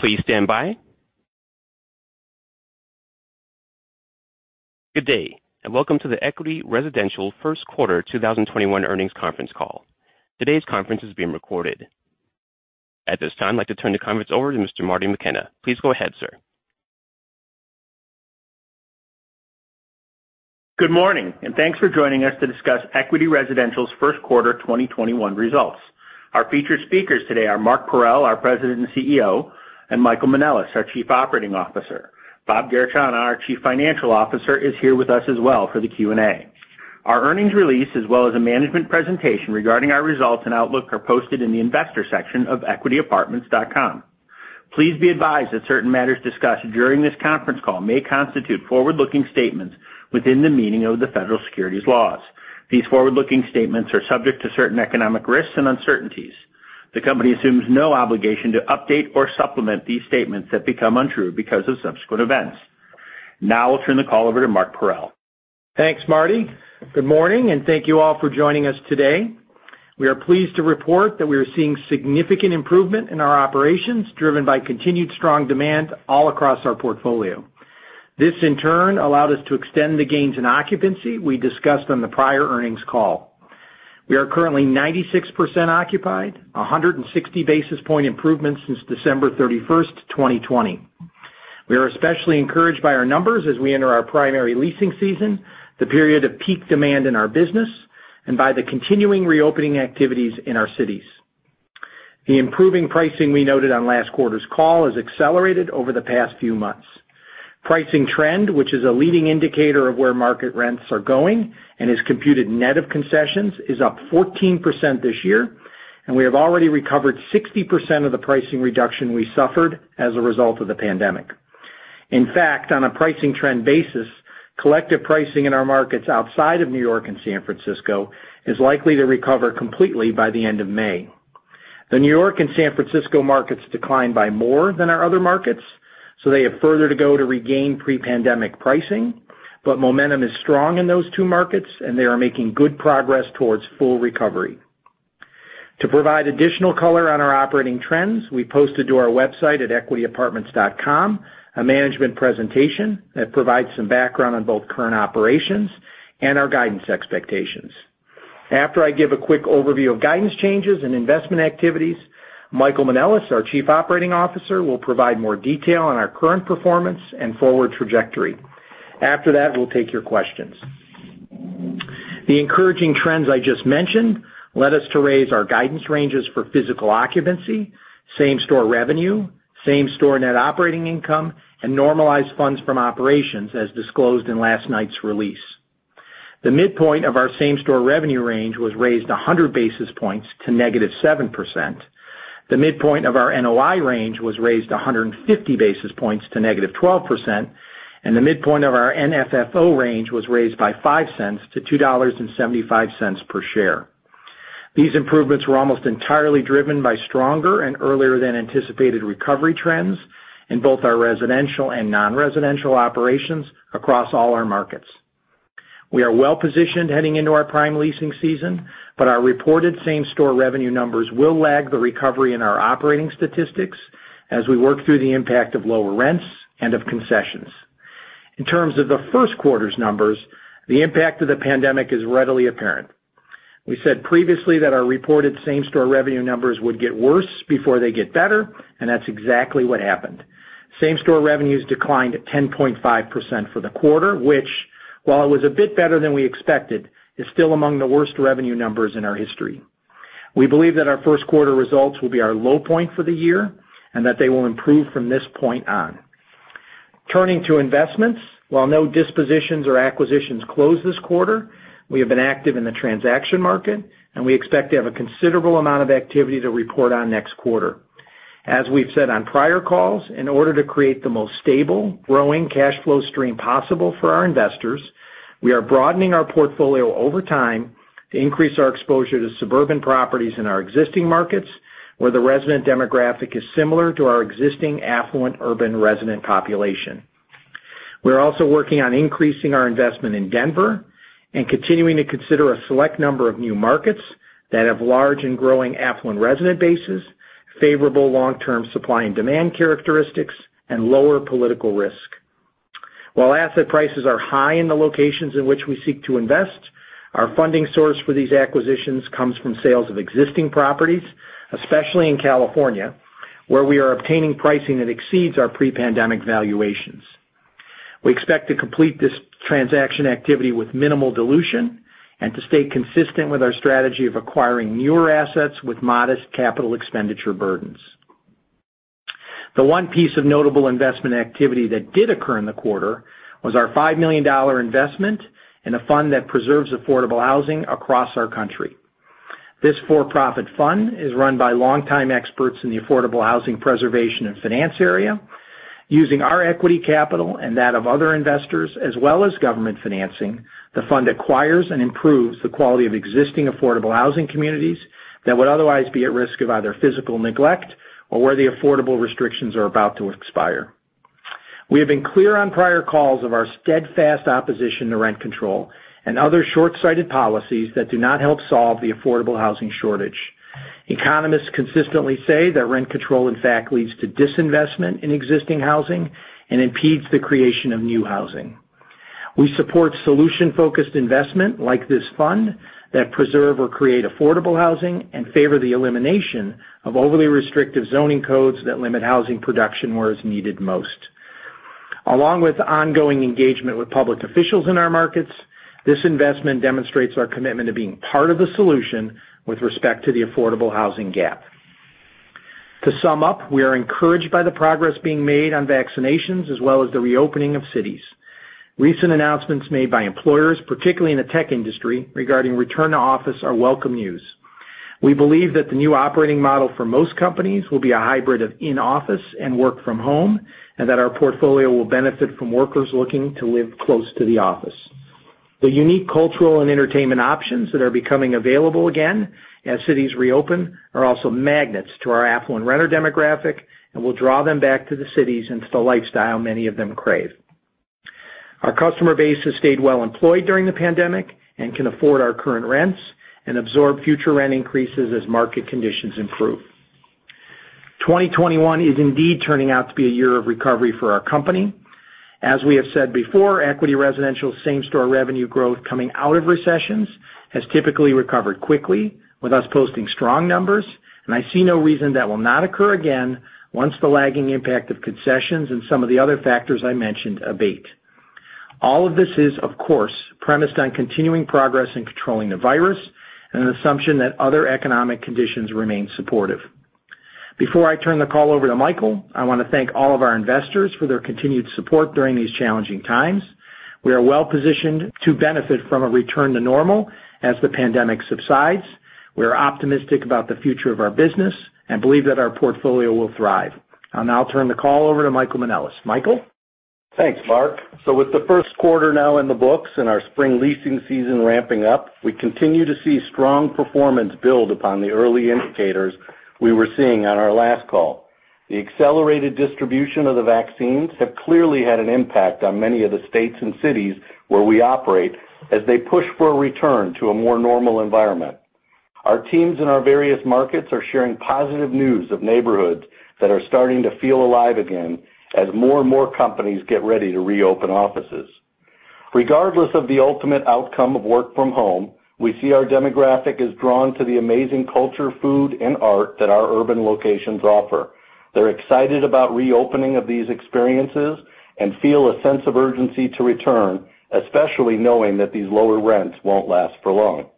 Good day, welcome to the Equity Residential first quarter 2021 earnings conference call. Today's conference is being recorded. At this time, I'd like to turn the conference over to Mr. Marty McKenna. Please go ahead, sir. Good morning, thanks for joining us to discuss Equity Residential's first quarter 2021 results. Our featured speakers today are Mark Parrell, our President and CEO, and Michael Manelis, our Chief Operating Officer. Bob Garechana, our Chief Financial Officer, is here with us as well for the Q&A. Our earnings release, as well as a management presentation regarding our results and outlook, are posted in the investor section of equityapartments.com. Please be advised that certain matters discussed during this conference call may constitute forward-looking statements within the meaning of the Federal securities laws. These forward-looking statements are subject to certain economic risks and uncertainties. The company assumes no obligation to update or supplement these statements that become untrue because of subsequent events. I'll turn the call over to Mark Parrell. Thanks, Marty. Good morning. Thank you all for joining us today. We are pleased to report that we are seeing significant improvement in our operations, driven by continued strong demand all across our portfolio. This, in turn, allowed us to extend the gains in occupancy we discussed on the prior earnings call. We are currently 96% occupied, 160 basis point improvement since December 31st, 2020. We are especially encouraged by our numbers as we enter our primary leasing season, the period of peak demand in our business, and by the continuing reopening activities in our cities. The improving pricing we noted on last quarter's call has accelerated over the past few months. Pricing trend, which is a leading indicator of where market rents are going and is computed net of concessions, is up 14% this year, and we have already recovered 60% of the pricing reduction we suffered as a result of the pandemic. In fact, on a pricing trend basis, collective pricing in our markets outside of New York and San Francisco is likely to recover completely by the end of May. The New York and San Francisco markets declined by more than our other markets, so they have further to go to regain pre-pandemic pricing, but momentum is strong in those two markets, and they are making good progress towards full recovery. To provide additional color on our operating trends, we posted to our website at equityapartments.com a management presentation that provides some background on both current operations and our guidance expectations. After I give a quick overview of guidance changes and investment activities, Michael Manelis, our Chief Operating Officer, will provide more detail on our current performance and forward trajectory. After that, we'll take your questions. The encouraging trends I just mentioned led us to raise our guidance ranges for physical occupancy, same-store revenue, same-store net operating income, and normalized funds from operations as disclosed in last night's release. The midpoint of our same-store revenue range was raised 100 basis points to -7%. The midpoint of our NOI range was raised 150 basis points to -12%, and the midpoint of our NFFO range was raised by $0.05 to $2.75 per share. These improvements were almost entirely driven by stronger and earlier than anticipated recovery trends in both our residential and non-residential operations across all our markets. We are well-positioned heading into our prime leasing season, our reported same-store revenue numbers will lag the recovery in our operating statistics as we work through the impact of lower rents and of concessions. In terms of the first quarter's numbers, the impact of the pandemic is readily apparent. We said previously that our reported same-store revenue numbers would get worse before they get better, that's exactly what happened. Same-store revenues declined 10.5% for the quarter, which, while it was a bit better than we expected, is still among the worst revenue numbers in our history. We believe that our first quarter results will be our low point for the year, that they will improve from this point on. Turning to investments, while no dispositions or acquisitions closed this quarter, we have been active in the transaction market, and we expect to have a considerable amount of activity to report on next quarter. As we've said on prior calls, in order to create the most stable, growing cash flow stream possible for our investors, we are broadening our portfolio over time to increase our exposure to suburban properties in our existing markets, where the resident demographic is similar to our existing affluent urban resident population. We are also working on increasing our investment in Denver and continuing to consider a select number of new markets that have large and growing affluent resident bases, favorable long-term supply and demand characteristics, and lower political risk. While asset prices are high in the locations in which we seek to invest, our funding source for these acquisitions comes from sales of existing properties, especially in California, where we are obtaining pricing that exceeds our pre-pandemic valuations. We expect to complete this transaction activity with minimal dilution and to stay consistent with our strategy of acquiring newer assets with modest capital expenditure burdens. The one piece of notable investment activity that did occur in the quarter was our $5 million investment in a fund that preserves affordable housing across our country. This for-profit fund is run by longtime experts in the affordable housing preservation and finance area. Using our equity capital and that of other investors, as well as government financing, the fund acquires and improves the quality of existing affordable housing communities that would otherwise be at risk of either physical neglect or where the affordable restrictions are about to expire. We have been clear on prior calls of our steadfast opposition to rent control and other short-sighted policies that do not help solve the affordable housing shortage. Economists consistently say that rent control, in fact, leads to disinvestment in existing housing and impedes the creation of new housing. We support solution-focused investment like this fund that preserve or create affordable housing and favor the elimination of overly restrictive zoning codes that limit housing production where it's needed most. Along with ongoing engagement with public officials in our markets, this investment demonstrates our commitment to being part of the solution with respect to the affordable housing gap. To sum up, we are encouraged by the progress being made on vaccinations as well as the reopening of cities. Recent announcements made by employers, particularly in the tech industry regarding return to office are welcome news. We believe that the new operating model for most companies will be a hybrid of in-office and work from home, and that our portfolio will benefit from workers looking to live close to the office. The unique cultural and entertainment options that are becoming available again as cities reopen are also magnets to our affluent renter demographic and will draw them back to the cities and to the lifestyle many of them crave. Our customer base has stayed well employed during the pandemic and can afford our current rents and absorb future rent increases as market conditions improve. 2021 is indeed turning out to be a year of recovery for our company. As we have said before, Equity Residential same-store revenue growth coming out of recessions has typically recovered quickly with us posting strong numbers, and I see no reason that will not occur again once the lagging impact of concessions and some of the other factors I mentioned abate. All of this is, of course, premised on continuing progress in controlling the virus and an assumption that other economic conditions remain supportive. Before I turn the call over to Michael, I want to thank all of our investors for their continued support during these challenging times. We are well-positioned to benefit from a return to normal as the pandemic subsides. We are optimistic about the future of our business and believe that our portfolio will thrive. I'll now turn the call over to Michael Manelis. Michael? Thanks, Mark. With the first quarter now in the books and our spring leasing season ramping up, we continue to see strong performance build upon the early indicators we were seeing on our last call. The accelerated distribution of the vaccines have clearly had an impact on many of the states and cities where we operate as they push for a return to a more normal environment. Our teams in our various markets are sharing positive news of neighborhoods that are starting to feel alive again as more and more companies get ready to reopen offices. Regardless of the ultimate outcome of work from home, we see our demographic is drawn to the amazing culture, food, and art that our urban locations offer. They're excited about reopening of these experiences and feel a sense of urgency to return, especially knowing that these lower rents won't last for long.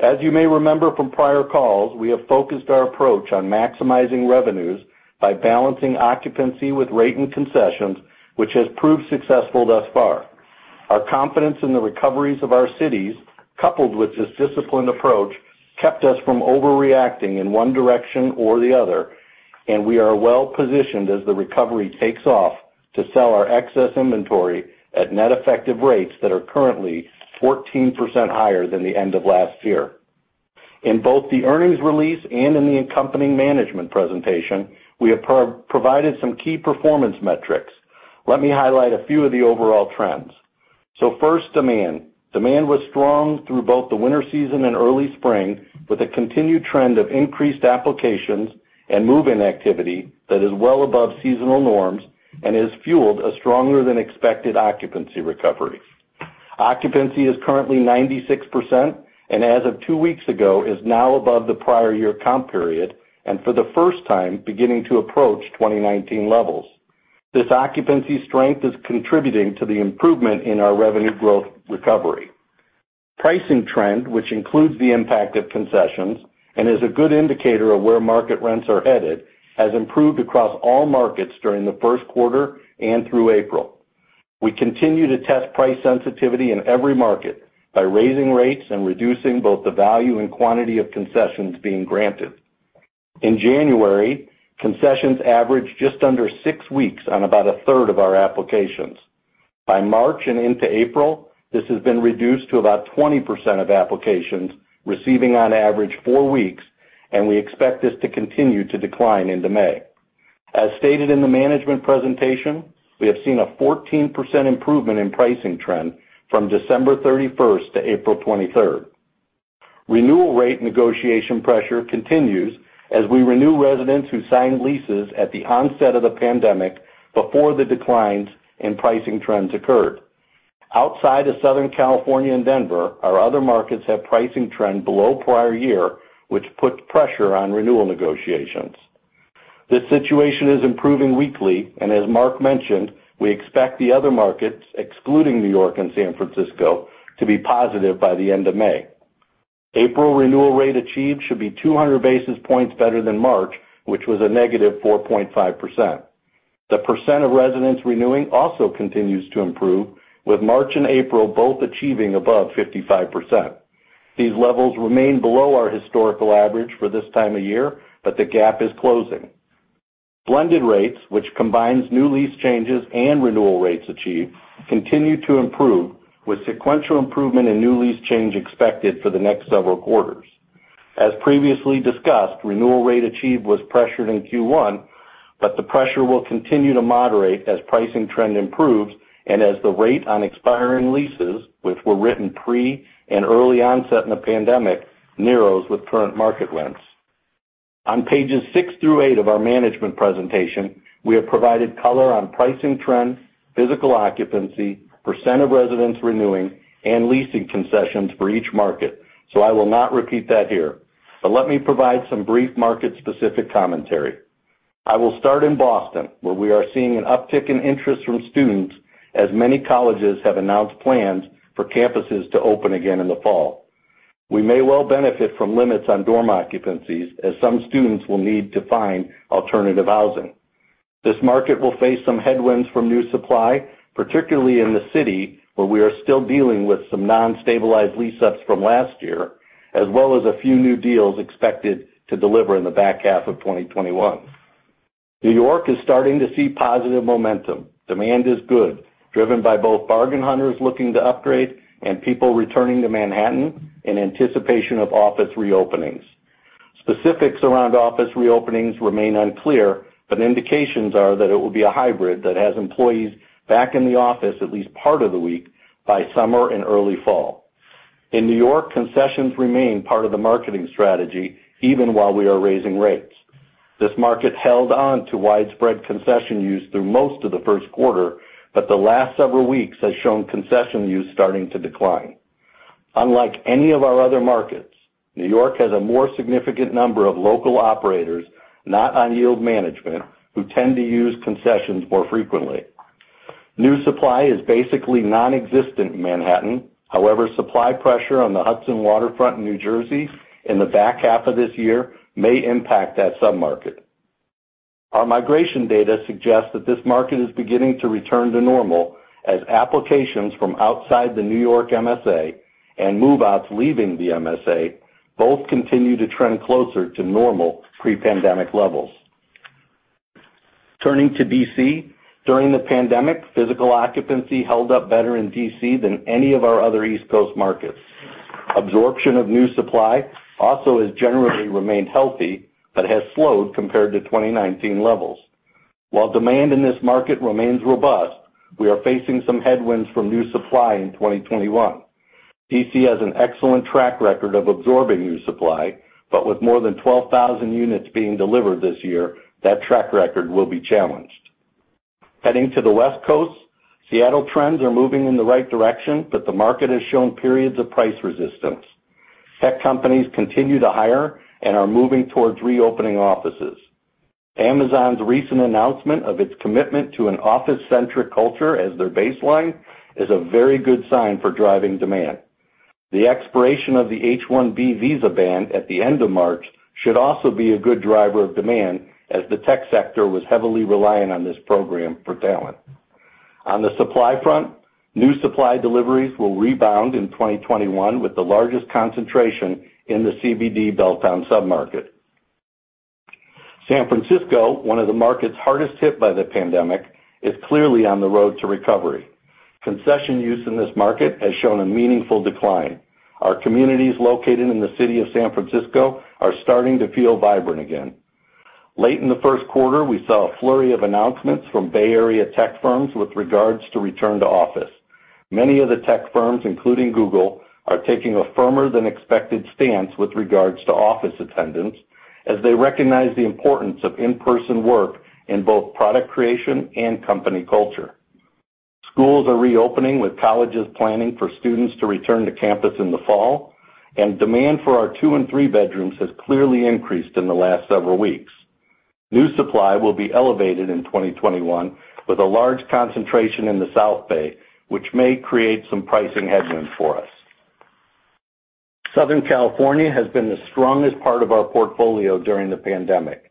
As you may remember from prior calls, we have focused our approach on maximizing revenues by balancing occupancy with rate and concessions, which has proved successful thus far. Our confidence in the recoveries of our cities, coupled with this disciplined approach, kept us from overreacting in one direction or the other, and we are well positioned as the recovery takes off to sell our excess inventory at net effective rates that are currently 14% higher than the end of last year. In both the earnings release and in the accompanying management presentation, we have provided some key performance metrics. Let me highlight a few of the overall trends. First, demand. Demand was strong through both the winter season and early spring, with a continued trend of increased applications and move-in activity that is well above seasonal norms and has fueled a stronger than expected occupancy recovery. Occupancy is currently 96%, and as of two weeks ago, is now above the prior year comp period, and for the first time, beginning to approach 2019 levels. This occupancy strength is contributing to the improvement in our revenue growth recovery. Pricing trend, which includes the impact of concessions and is a good indicator of where market rents are headed, has improved across all markets during the first quarter and through April. We continue to test price sensitivity in every market by raising rates and reducing both the value and quantity of concessions being granted. In January, concessions averaged just under six weeks on about a third of our applications. By March and into April, this has been reduced to about 20% of applications receiving on average four weeks, and we expect this to continue to decline into May. As stated in the management presentation, we have seen a 14% improvement in pricing trend from December 31st to April 23rd. Renewal rate negotiation pressure continues as we renew residents who signed leases at the onset of the pandemic before the declines in pricing trends occurred. Outside of Southern California and Denver, our other markets have pricing trend below prior year, which put pressure on renewal negotiations. This situation is improving weekly, and as Mark mentioned, we expect the other markets, excluding New York and San Francisco, to be positive by the end of May. April renewal rate achieved should be 200 basis points better than March, which was a negative 4.5%. The percent of residents renewing also continues to improve, with March and April both achieving above 55%. These levels remain below our historical average for this time of year, but the gap is closing. Blended rates, which combines new lease changes and renewal rates achieved, continue to improve, with sequential improvement in new lease change expected for the next several quarters. As previously discussed, renewal rate achieved was pressured in Q1, but the pressure will continue to moderate as pricing trend improves and as the rate on expiring leases, which were written pre and early onset in the pandemic, narrows with current market rents. On pages six through eight of our management presentation, we have provided color on pricing trends, physical occupancy, percent of residents renewing, and leasing concessions for each market. I will not repeat that here, but let me provide some brief market-specific commentary. I will start in Boston, where we are seeing an uptick in interest from students, as many colleges have announced plans for campuses to open again in the fall. We may well benefit from limits on dorm occupancies, as some students will need to find alternative housing. This market will face some headwinds from new supply, particularly in the city, where we are still dealing with some non-stabilized lease-ups from last year, as well as a few new deals expected to deliver in the back half of 2021. New York is starting to see positive momentum. Demand is good, driven by both bargain hunters looking to upgrade and people returning to Manhattan in anticipation of office reopenings. Specifics around office reopenings remain unclear, but indications are that it will be a hybrid that has employees back in the office at least part of the week by summer and early fall. In New York, concessions remain part of the marketing strategy, even while we are raising rates. This market held on to widespread concession use through most of the first quarter. The last several weeks has shown concession use starting to decline. Unlike any of our other markets, New York has a more significant number of local operators, not on yield management, who tend to use concessions more frequently. New supply is basically nonexistent in Manhattan. However, supply pressure on the Hudson waterfront in New Jersey in the back half of this year may impact that submarket. Our migration data suggests that this market is beginning to return to normal as applications from outside the New York MSA and move-outs leaving the MSA both continue to trend closer to normal pre-pandemic levels. Turning to D.C. During the pandemic, physical occupancy held up better in D.C. than any of our other East Coast markets. Absorption of new supply also has generally remained healthy, but has slowed compared to 2019 levels. While demand in this market remains robust, we are facing some headwinds from new supply in 2021. D.C. has an excellent track record of absorbing new supply, but with more than 12,000 units being delivered this year, that track record will be challenged. Heading to the West Coast, Seattle trends are moving in the right direction, but the market has shown periods of price resistance. Tech companies continue to hire and are moving towards reopening offices. Amazon's recent announcement of its commitment to an office-centric culture as their baseline is a very good sign for driving demand. The expiration of the H-1B visa ban at the end of March should also be a good driver of demand, as the tech sector was heavily reliant on this program for talent. On the supply front, new supply deliveries will rebound in 2021, with the largest concentration in the CBD Belltown submarket. San Francisco, one of the markets hardest hit by the pandemic, is clearly on the road to recovery. Concession use in this market has shown a meaningful decline. Our communities located in the city of San Francisco are starting to feel vibrant again. Late in the first quarter, we saw a flurry of announcements from Bay Area tech firms with regards to return to office. Many of the tech firms, including Google, are taking a firmer than expected stance with regards to office attendance, as they recognize the importance of in-person work in both product creation and company culture. Schools are reopening, with colleges planning for students to return to campus in the fall, and demand for our two and three bedrooms has clearly increased in the last several weeks. New supply will be elevated in 2021, with a large concentration in the South Bay, which may create some pricing headwinds for us. Southern California has been the strongest part of our portfolio during the pandemic.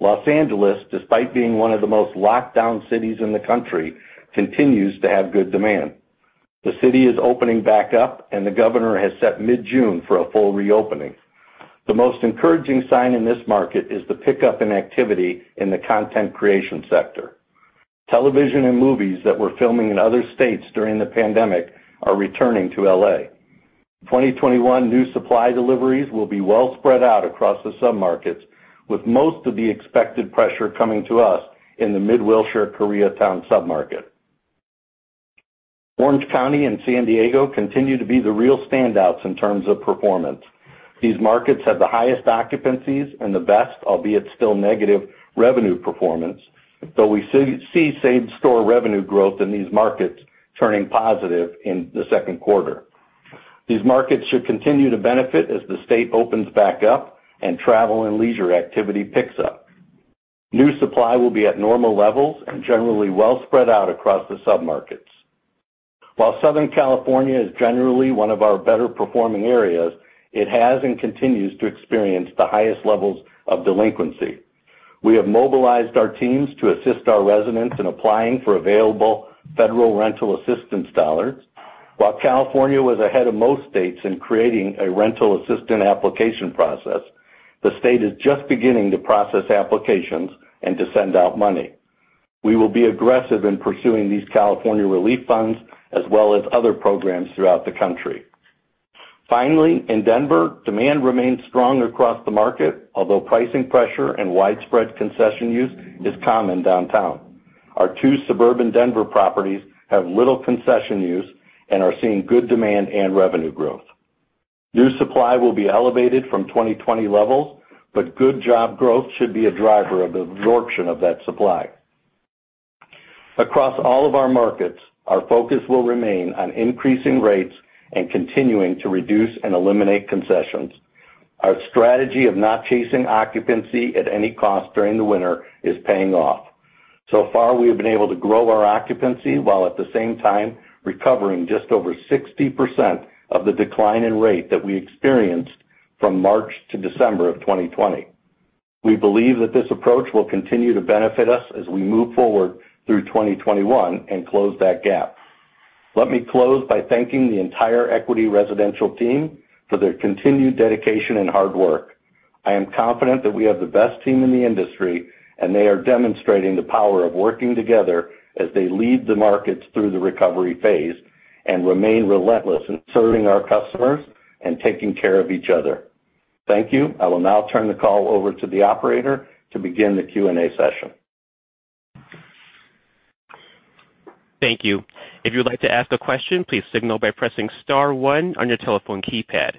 Los Angeles, despite being one of the most locked down cities in the country, continues to have good demand. The city is opening back up, and the governor has set mid-June for a full reopening. The most encouraging sign in this market is the pickup in activity in the content creation sector. Television and movies that were filming in other states during the pandemic are returning to L.A. 2021 new supply deliveries will be well spread out across the submarkets, with most of the expected pressure coming to us in the Mid-Wilshire Koreatown submarket. Orange County and San Diego continue to be the real standouts in terms of performance. These markets have the highest occupancies and the best, albeit still negative, revenue performance, though we see same-store revenue growth in these markets turning positive in the second quarter. These markets should continue to benefit as the state opens back up and travel and leisure activity picks up. New supply will be at normal levels and generally well spread out across the submarkets. While Southern California is generally one of our better-performing areas, it has and continues to experience the highest levels of delinquency. We have mobilized our teams to assist our residents in applying for available federal rental assistance dollars. While California was ahead of most states in creating a rental assistance application process, the state is just beginning to process applications and to send out money. We will be aggressive in pursuing these California relief funds, as well as other programs throughout the country. Finally, in Denver, demand remains strong across the market, although pricing pressure and widespread concession use is common downtown. Our two suburban Denver properties have little concession use and are seeing good demand and revenue growth. New supply will be elevated from 2020 levels, but good job growth should be a driver of absorption of that supply. Across all of our markets, our focus will remain on increasing rates and continuing to reduce and eliminate concessions. Our strategy of not chasing occupancy at any cost during the winter is paying off. So far, we have been able to grow our occupancy while at the same time recovering just over 60% of the decline in rate that we experienced from March to December of 2020. We believe that this approach will continue to benefit us as we move forward through 2021 and close that gap. Let me close by thanking the entire Equity Residential team for their continued dedication and hard work. I am confident that we have the best team in the industry, and they are demonstrating the power of working together as they lead the markets through the recovery phase and remain relentless in serving our customers and taking care of each other. Thank you. I will now turn the call over to the operator to begin the Q&A session. Thank you. If you like to ask a question please signal by pressing star one on your telephone keypad.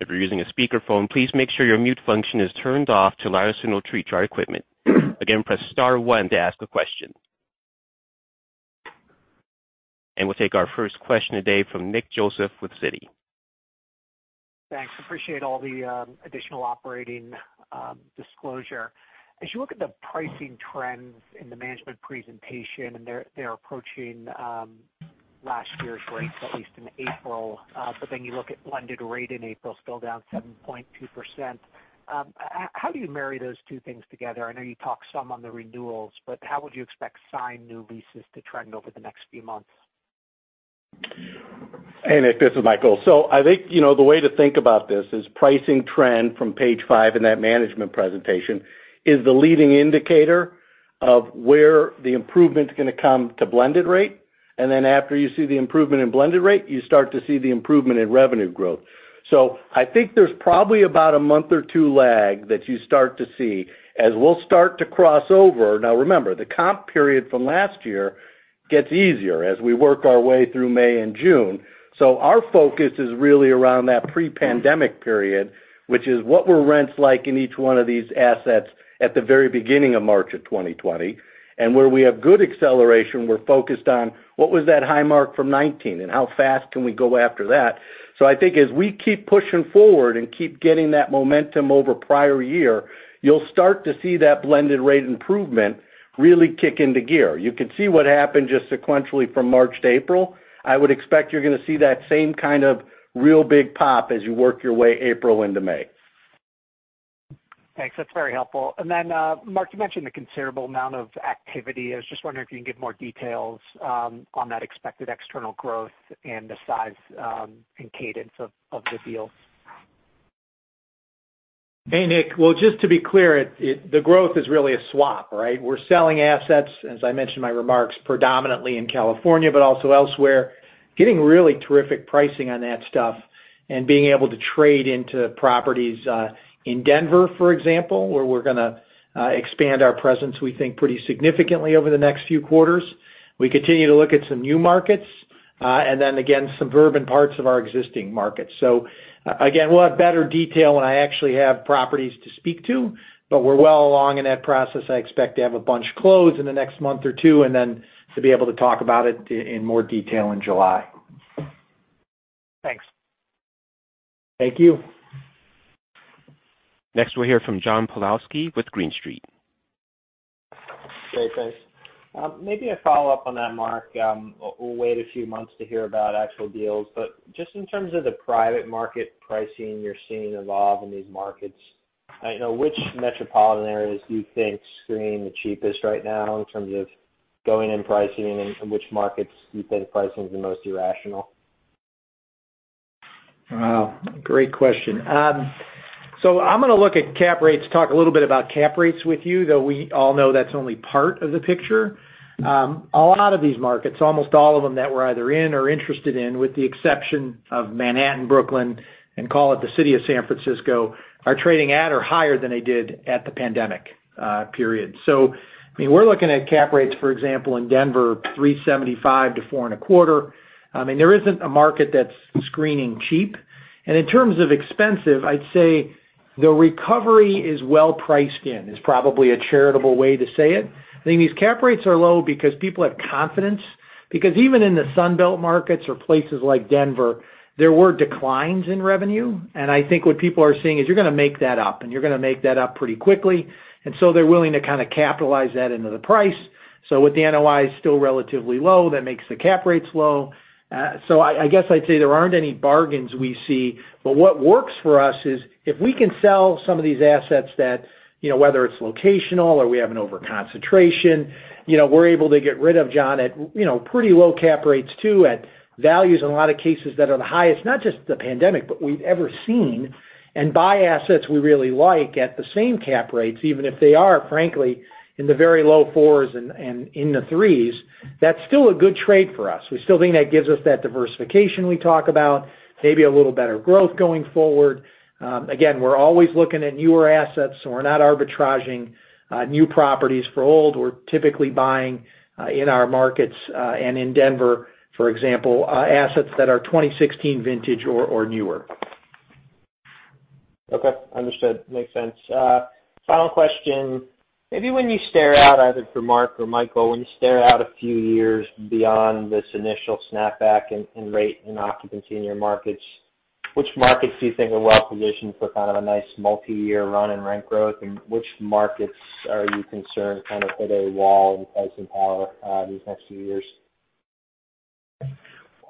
If you are using a speaker phone please make sure you unmute. Again press star one to ask a question. We'll take our first question today from Nick Joseph with Citi. Thanks. Appreciate all the additional operating disclosure. As you look at the pricing trends in the management presentation, they're approaching last year's rates at least in April. You look at blended rate in April, still down 7.2%. How do you marry those two things together? I know you talked some on the renewals, how would you expect signed new leases to trend over the next few months? Hey, Nick, this is Michael. I think the way to think about this is pricing trend from page five in that management presentation is the leading indicator of where the improvement's going to come to blended rate. After you see the improvement in blended rate, you start to see the improvement in revenue growth. I think there's probably about a month or two lag that you start to see as we'll start to cross over. Now remember, the comp period from last year gets easier as we work our way through May and June. Our focus is really around that pre-pandemic period, which is what were rents like in each one of these assets at the very beginning of March of 2020? Where we have good acceleration, we're focused on what was that high mark from 2019, and how fast can we go after that? I think as we keep pushing forward and keep getting that momentum over prior year, you'll start to see that blended rate improvement really kick into gear. You can see what happened just sequentially from March to April. I would expect you're going to see that same kind of real big pop as you work your way April into May. Thanks. That's very helpful. Mark, you mentioned the considerable amount of activity. I was just wondering if you can give more details on that expected external growth and the size, and cadence of the deals. Hey, Nick. Well, just to be clear, the growth is really a swap, right? We're selling assets, as I mentioned in my remarks, predominantly in California, but also elsewhere. Getting really terrific pricing on that stuff and being able to trade into properties in Denver, for example, where we're going to expand our presence, we think pretty significantly over the next few quarters. We continue to look at some new markets, and then again, suburban parts of our existing markets. Again, we'll have better detail when I actually have properties to speak to, but we're well along in that process. I expect to have a bunch closed in the next month or two, and then to be able to talk about it in more detail in July. Thanks. Thank you. Next, we'll hear from John Pawlowski with Green Street. Great, thanks. Maybe a follow-up on that, Mark. We'll wait a few months to hear about actual deals, just in terms of the private market pricing you're seeing evolve in these markets, which metropolitan areas do you think screen the cheapest right now in terms of going-in pricing, and which markets do you think pricing is the most irrational? Wow. Great question. I'm going to look at cap rates, talk a little bit about cap rates with you, though we all know that's only part of the picture. A lot of these markets, almost all of them that we're either in or interested in, with the exception of Manhattan, Brooklyn, and call it the city of San Francisco, are trading at or higher than they did at the pandemic period. We're looking at cap rates, for example, in Denver, 375 to four and a quarter. There isn't a market that's screening cheap. In terms of expensive, I'd say the recovery is well priced in, is probably a charitable way to say it. I think these cap rates are low because people have confidence. Even in the Sun Belt markets or places like Denver, there were declines in revenue, and I think what people are seeing is you're going to make that up, and you're going to make that up pretty quickly. They're willing to kind of capitalize that into the price. With the NOI still relatively low, that makes the cap rates low. I guess I'd say there aren't any bargains we see. What works for us is if we can sell some of these assets that, whether it's locational or we have an over-concentration, we're able to get rid of, John, at pretty low cap rates too, at values in a lot of cases that are the highest, not just the pandemic, but we've ever seen, and buy assets we really like at the same cap rates, even if they are frankly in the very low fours and in the threes. That's still a good trade for us. We still think that gives us that diversification we talk about, maybe a little better growth going forward. We're always looking at newer assets, so we're not arbitraging new properties for old. We're typically buying in our markets, and in Denver, for example, assets that are 2016 vintage or newer. Okay. Understood. Makes sense. Final question. Maybe when you stare out, either for Mark or Michael, when you stare out a few years beyond this initial snapback in rate and occupancy in your markets, which markets do you think are well-positioned for kind of a nice multi-year run and rent growth, and which markets are you concerned kind of hit a wall in pricing power these next few years?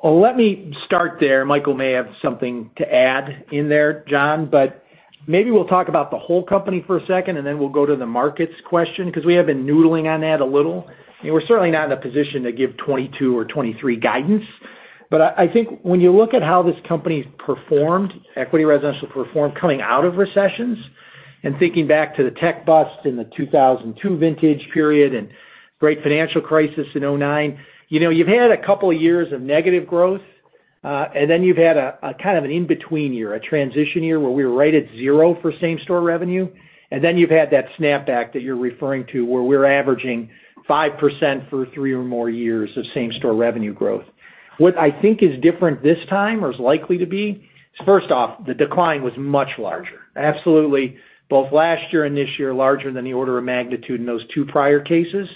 Well, let me start there. Michael may have something to add in there, John, but maybe we'll talk about the whole company for a second, then we'll go to the markets question, because we have been noodling on that a little. We're certainly not in a position to give 2022 or 2023 guidance. I think when you look at how this company's performed, Equity Residential performed coming out of recessions, and thinking back to the tech bust in the 2002 vintage period and Great Financial Crisis in 2009, you've had a couple of years of negative growth, then you've had a kind of an in-between year. A transition year where we were right at zero for same-store revenue. Then you've had that snapback that you're referring to, where we're averaging 5% for three or more years of same-store revenue growth. What I think is different this time, or is likely to be, is first off, the decline was much larger. Absolutely, both last year and this year, larger than the order of magnitude in those two prior cases.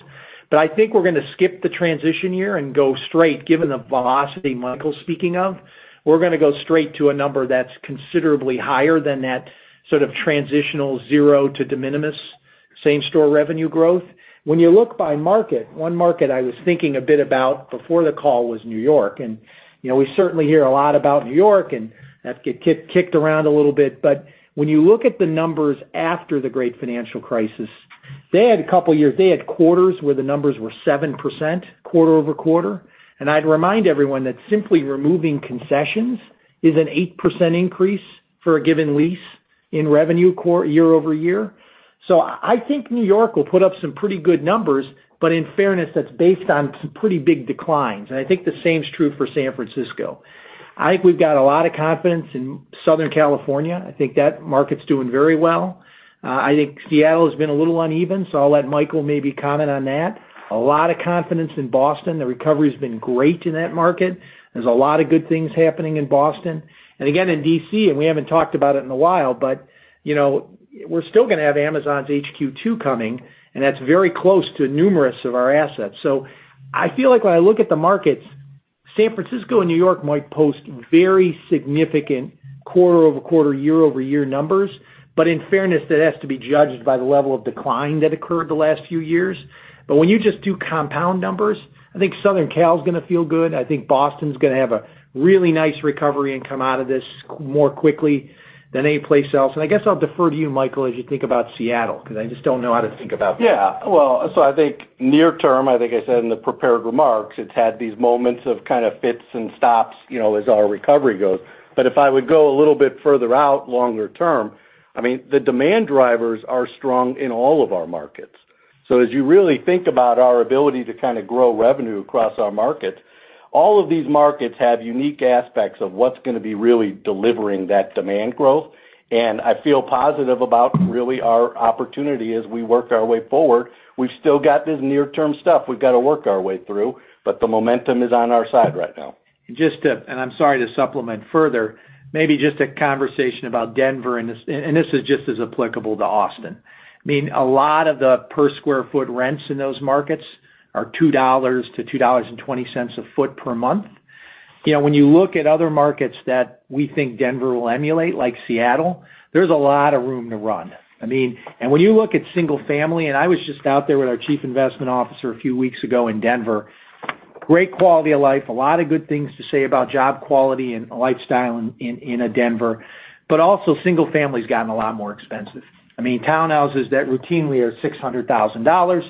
I think we're going to skip the transition year and go straight, given the velocity Michael's speaking of, we're going to go straight to a number that's considerably higher than that sort of transitional zero to de minimis same-store revenue growth. When you look by market, one market I was thinking a bit about before the call was New York. We certainly hear a lot about New York, and that's get kicked around a little bit, but when you look at the numbers after the Great Financial Crisis, they had a couple years, they had quarters where the numbers were 7% quarter-over-quarter. I'd remind everyone that simply removing concessions is an 8% increase for a given lease in revenue year-over-year. I think New York will put up some pretty good numbers, but in fairness, that's based on some pretty big declines. I think the same is true for San Francisco. I think we've got a lot of confidence in Southern California. I think that market's doing very well. I think Seattle has been a little uneven, so I'll let Michael maybe comment on that. A lot of confidence in Boston. The recovery's been great in that market. There's a lot of good things happening in Boston. Again, in D.C., and we haven't talked about it in a while, but we're still going to have Amazon's HQ2 coming, and that's very close to numerous of our assets. I feel like when I look at the markets, San Francisco and New York might post very significant quarter-over-quarter, year-over-year numbers. In fairness, that has to be judged by the level of decline that occurred the last few years. When you just do compound numbers, I think Southern Cal is going to feel good. I think Boston's going to have a really nice recovery and come out of this more quickly than any place else. I guess I'll defer to you, Michael, as you think about Seattle, because I just don't know how to think about that. Well, I think near term, I think I said in the prepared remarks, it's had these moments of kind of fits and stops as our recovery goes. If I would go a little bit further out, longer term, the demand drivers are strong in all of our markets. As you really think about our ability to kind of grow revenue across our markets, all of these markets have unique aspects of what's going to be really delivering that demand growth. I feel positive about really our opportunity as we work our way forward. We've still got this near-term stuff we've got to work our way through, but the momentum is on our side right now. I'm sorry to supplement further, maybe just a conversation about Denver, and this is just as applicable to Austin. I mean, a lot of the per square foot rents in those markets are $2-$2.20 a foot per month. When you look at other markets that we think Denver will emulate, like Seattle, there's a lot of room to run. When you look at single family, and I was just out there with our chief investment officer a few weeks ago in Denver, great quality of life, a lot of good things to say about job quality and lifestyle in Denver, but also single family's gotten a lot more expensive. I mean, townhouses that routinely are $600,000,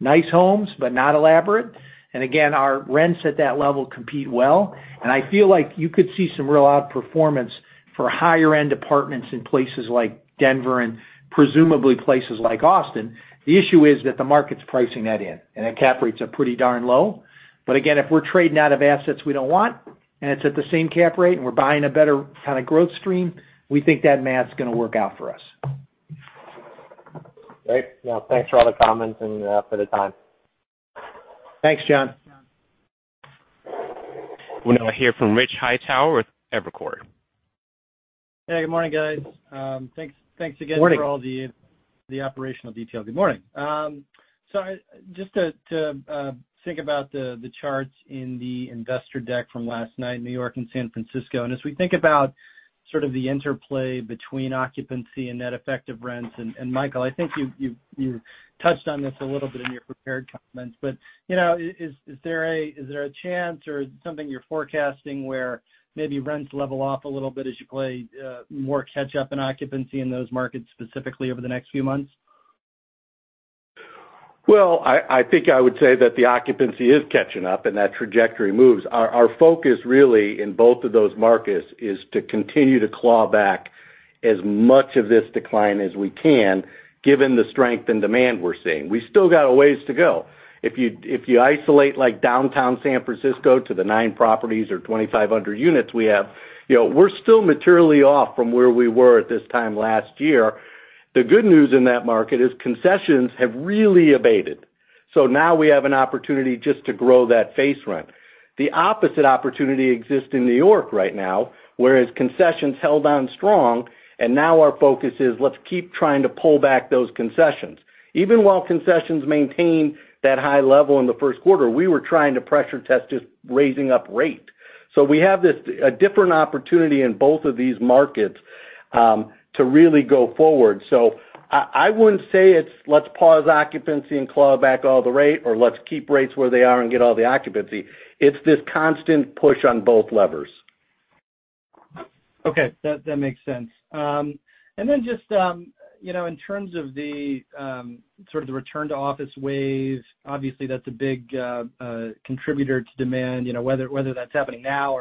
nice homes, but not elaborate. Again, our rents at that level compete well, and I feel like you could see some real outperformance for higher-end apartments in places like Denver and presumably places like Austin. The issue is that the market's pricing that in, and the cap rates are pretty darn low. Again, if we're trading out of assets we don't want, and it's at the same cap rate, and we're buying a better kind of growth stream, we think that math's going to work out for us. Great. Well, thanks for all the comments and for the time. Thanks, John. We'll now hear from Rich Hightower with Evercore. Hey, good morning, guys. Thanks again- Morning for all the operational details. Good morning. Just to think about the charts in the investor deck from last night, New York and San Francisco, and as we think about sort of the interplay between occupancy and net effective rents, and Michael, I think you touched on this a little bit in your prepared comments, but is there a chance or something you're forecasting where maybe rents level off a little bit as you play more catch up in occupancy in those markets specifically over the next few months? Well, I think I would say that the occupancy is catching up and that trajectory moves. Our focus really in both of those markets is to continue to claw back as much of this decline as we can, given the strength and demand we're seeing. We still got a ways to go. If you isolate downtown San Francisco to the nine properties or 2,500 units we have, we're still materially off from where we were at this time last year. The good news in that market is concessions have really abated. Now we have an opportunity just to grow that base rent. The opposite opportunity exists in New York right now, whereas concessions held on strong, and now our focus is, let's keep trying to pull back those concessions. Even while concessions maintained that high level in the first quarter, we were trying to pressure test just raising up rate. We have a different opportunity in both of these markets to really go forward. I wouldn't say it's, let's pause occupancy and claw back all the rate, or let's keep rates where they are and get all the occupancy. It's this constant push on both levers. Okay. That makes sense. Just in terms of the sort of the return to office wave, obviously, that's a big contributor to demand, whether that's happening now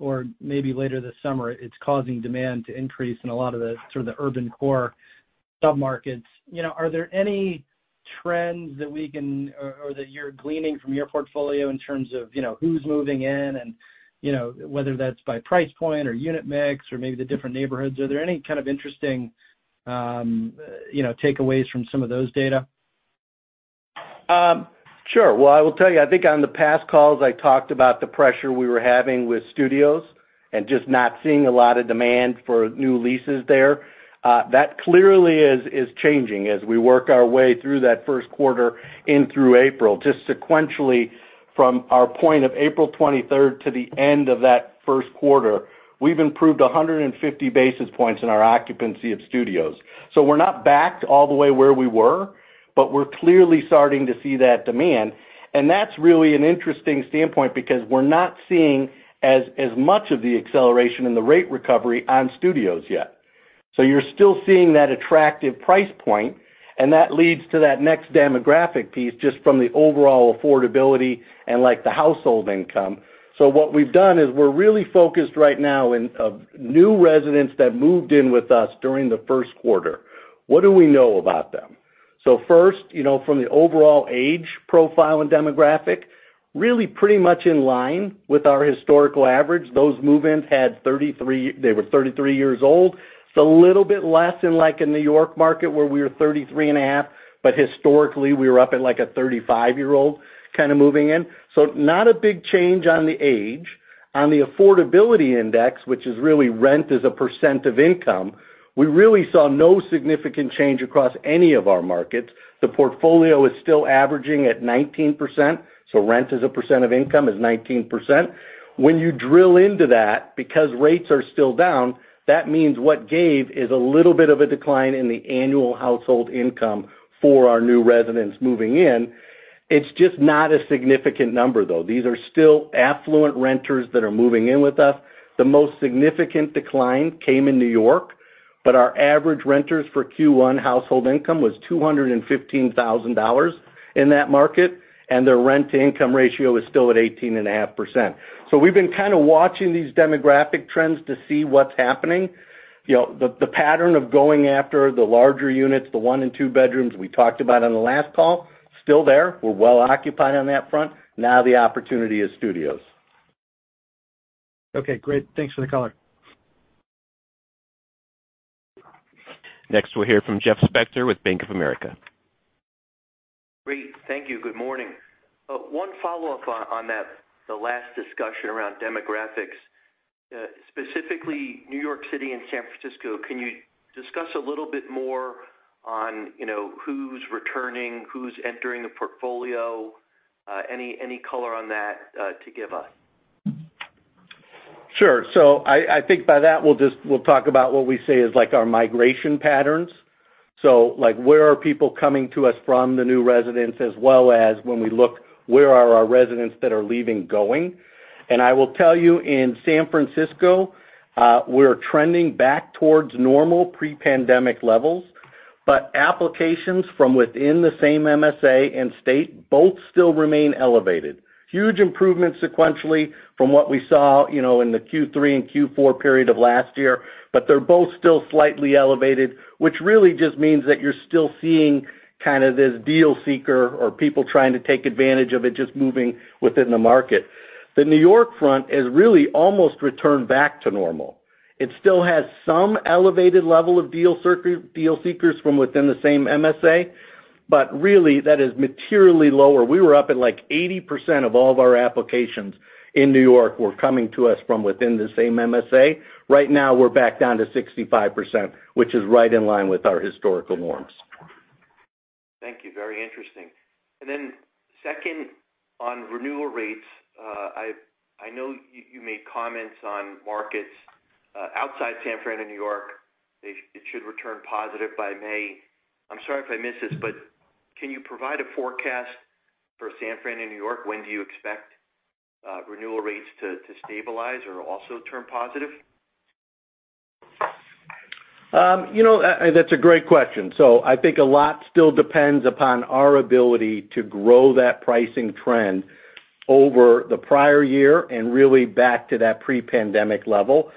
or maybe later this summer, it's causing demand to increase in a lot of the sort of the urban core sub-markets. Are there any trends that you're gleaning from your portfolio in terms of who's moving in and whether that's by price point or unit mix or maybe the different neighborhoods? Are there any kind of interesting takeaways from some of those data? I will tell you, I think on the past calls, I talked about the pressure we were having with studios and just not seeing a lot of demand for new leases there. That clearly is changing as we work our way through that first quarter in through April. Just sequentially from our point of April 23rd to the end of that first quarter, we've improved 150 basis points in our occupancy of studios. We're not back all the way where we were, but we're clearly starting to see that demand. That's really an interesting standpoint because we're not seeing as much of the acceleration in the rate recovery on studios yet. You're still seeing that attractive price point, and that leads to that next demographic piece, just from the overall affordability and like the household income. What we've done is we're really focused right now in new residents that moved in with us during the first quarter. What do we know about them? First, from the overall age profile and demographic, really pretty much in line with our historical average. Those move-ins, they were 33 years old. It's a little bit less than like a New York market, where we were 33 and a half. Historically, we were up at, like, a 35-year-old kind of moving in. Not a big change on the age. On the affordability index, which is really rent as a percent of income, we really saw no significant change across any of our markets. The portfolio is still averaging at 19%, so rent as a percent of income is 19%. When you drill into that, because rates are still down, that means what gave is a little bit of a decline in the annual household income for our new residents moving in. It's just not a significant number, though. These are still affluent renters that are moving in with us. The most significant decline came in New York. Our average renters for Q1 household income was $215,000 in that market. Their rent-to-income ratio is still at 18.5%. We've been kind of watching these demographic trends to see what's happening. The pattern of going after the larger units, the one and two bedrooms we talked about on the last call, still there. We're well occupied on that front. The opportunity is studios. Okay, great. Thanks for the color. Next, we'll hear from Jeff Spector with Bank of America. Great. Thank you. Good morning. One follow-up on the last discussion around demographics, specifically New York City and San Francisco. Can you discuss a little bit more on who's returning, who's entering the portfolio? Any color on that to give us? Sure. I think by that, we'll talk about what we say is our migration patterns. Like, where are people coming to us from, the new residents, as well as when we look, where are our residents that are leaving going? I will tell you, in San Francisco, we're trending back towards normal pre-pandemic levels. Applications from within the same MSA and state both still remain elevated. Huge improvements sequentially from what we saw in the Q3 and Q4 period of last year, but they're both still slightly elevated, which really just means that you're still seeing kind of this deal seeker or people trying to take advantage of it just moving within the market. The New York front has really almost returned back to normal. It still has some elevated level of deal seekers from within the same MSA, but really that is materially lower. We were up at, like, 80% of all of our applications in New York were coming to us from within the same MSA. Right now, we're back down to 65%, which is right in line with our historical norms. Thank you. Very interesting. Second, on renewal rates, I know you made comments on markets outside San Fran and New York. It should return positive by May. I'm sorry if I missed this, but can you provide a forecast for San Fran and New York? When do you expect renewal rates to stabilize or also turn positive? That's a great question. I think a lot still depends upon our ability to grow that pricing trend Over the prior year and really back to that pre-pandemic level.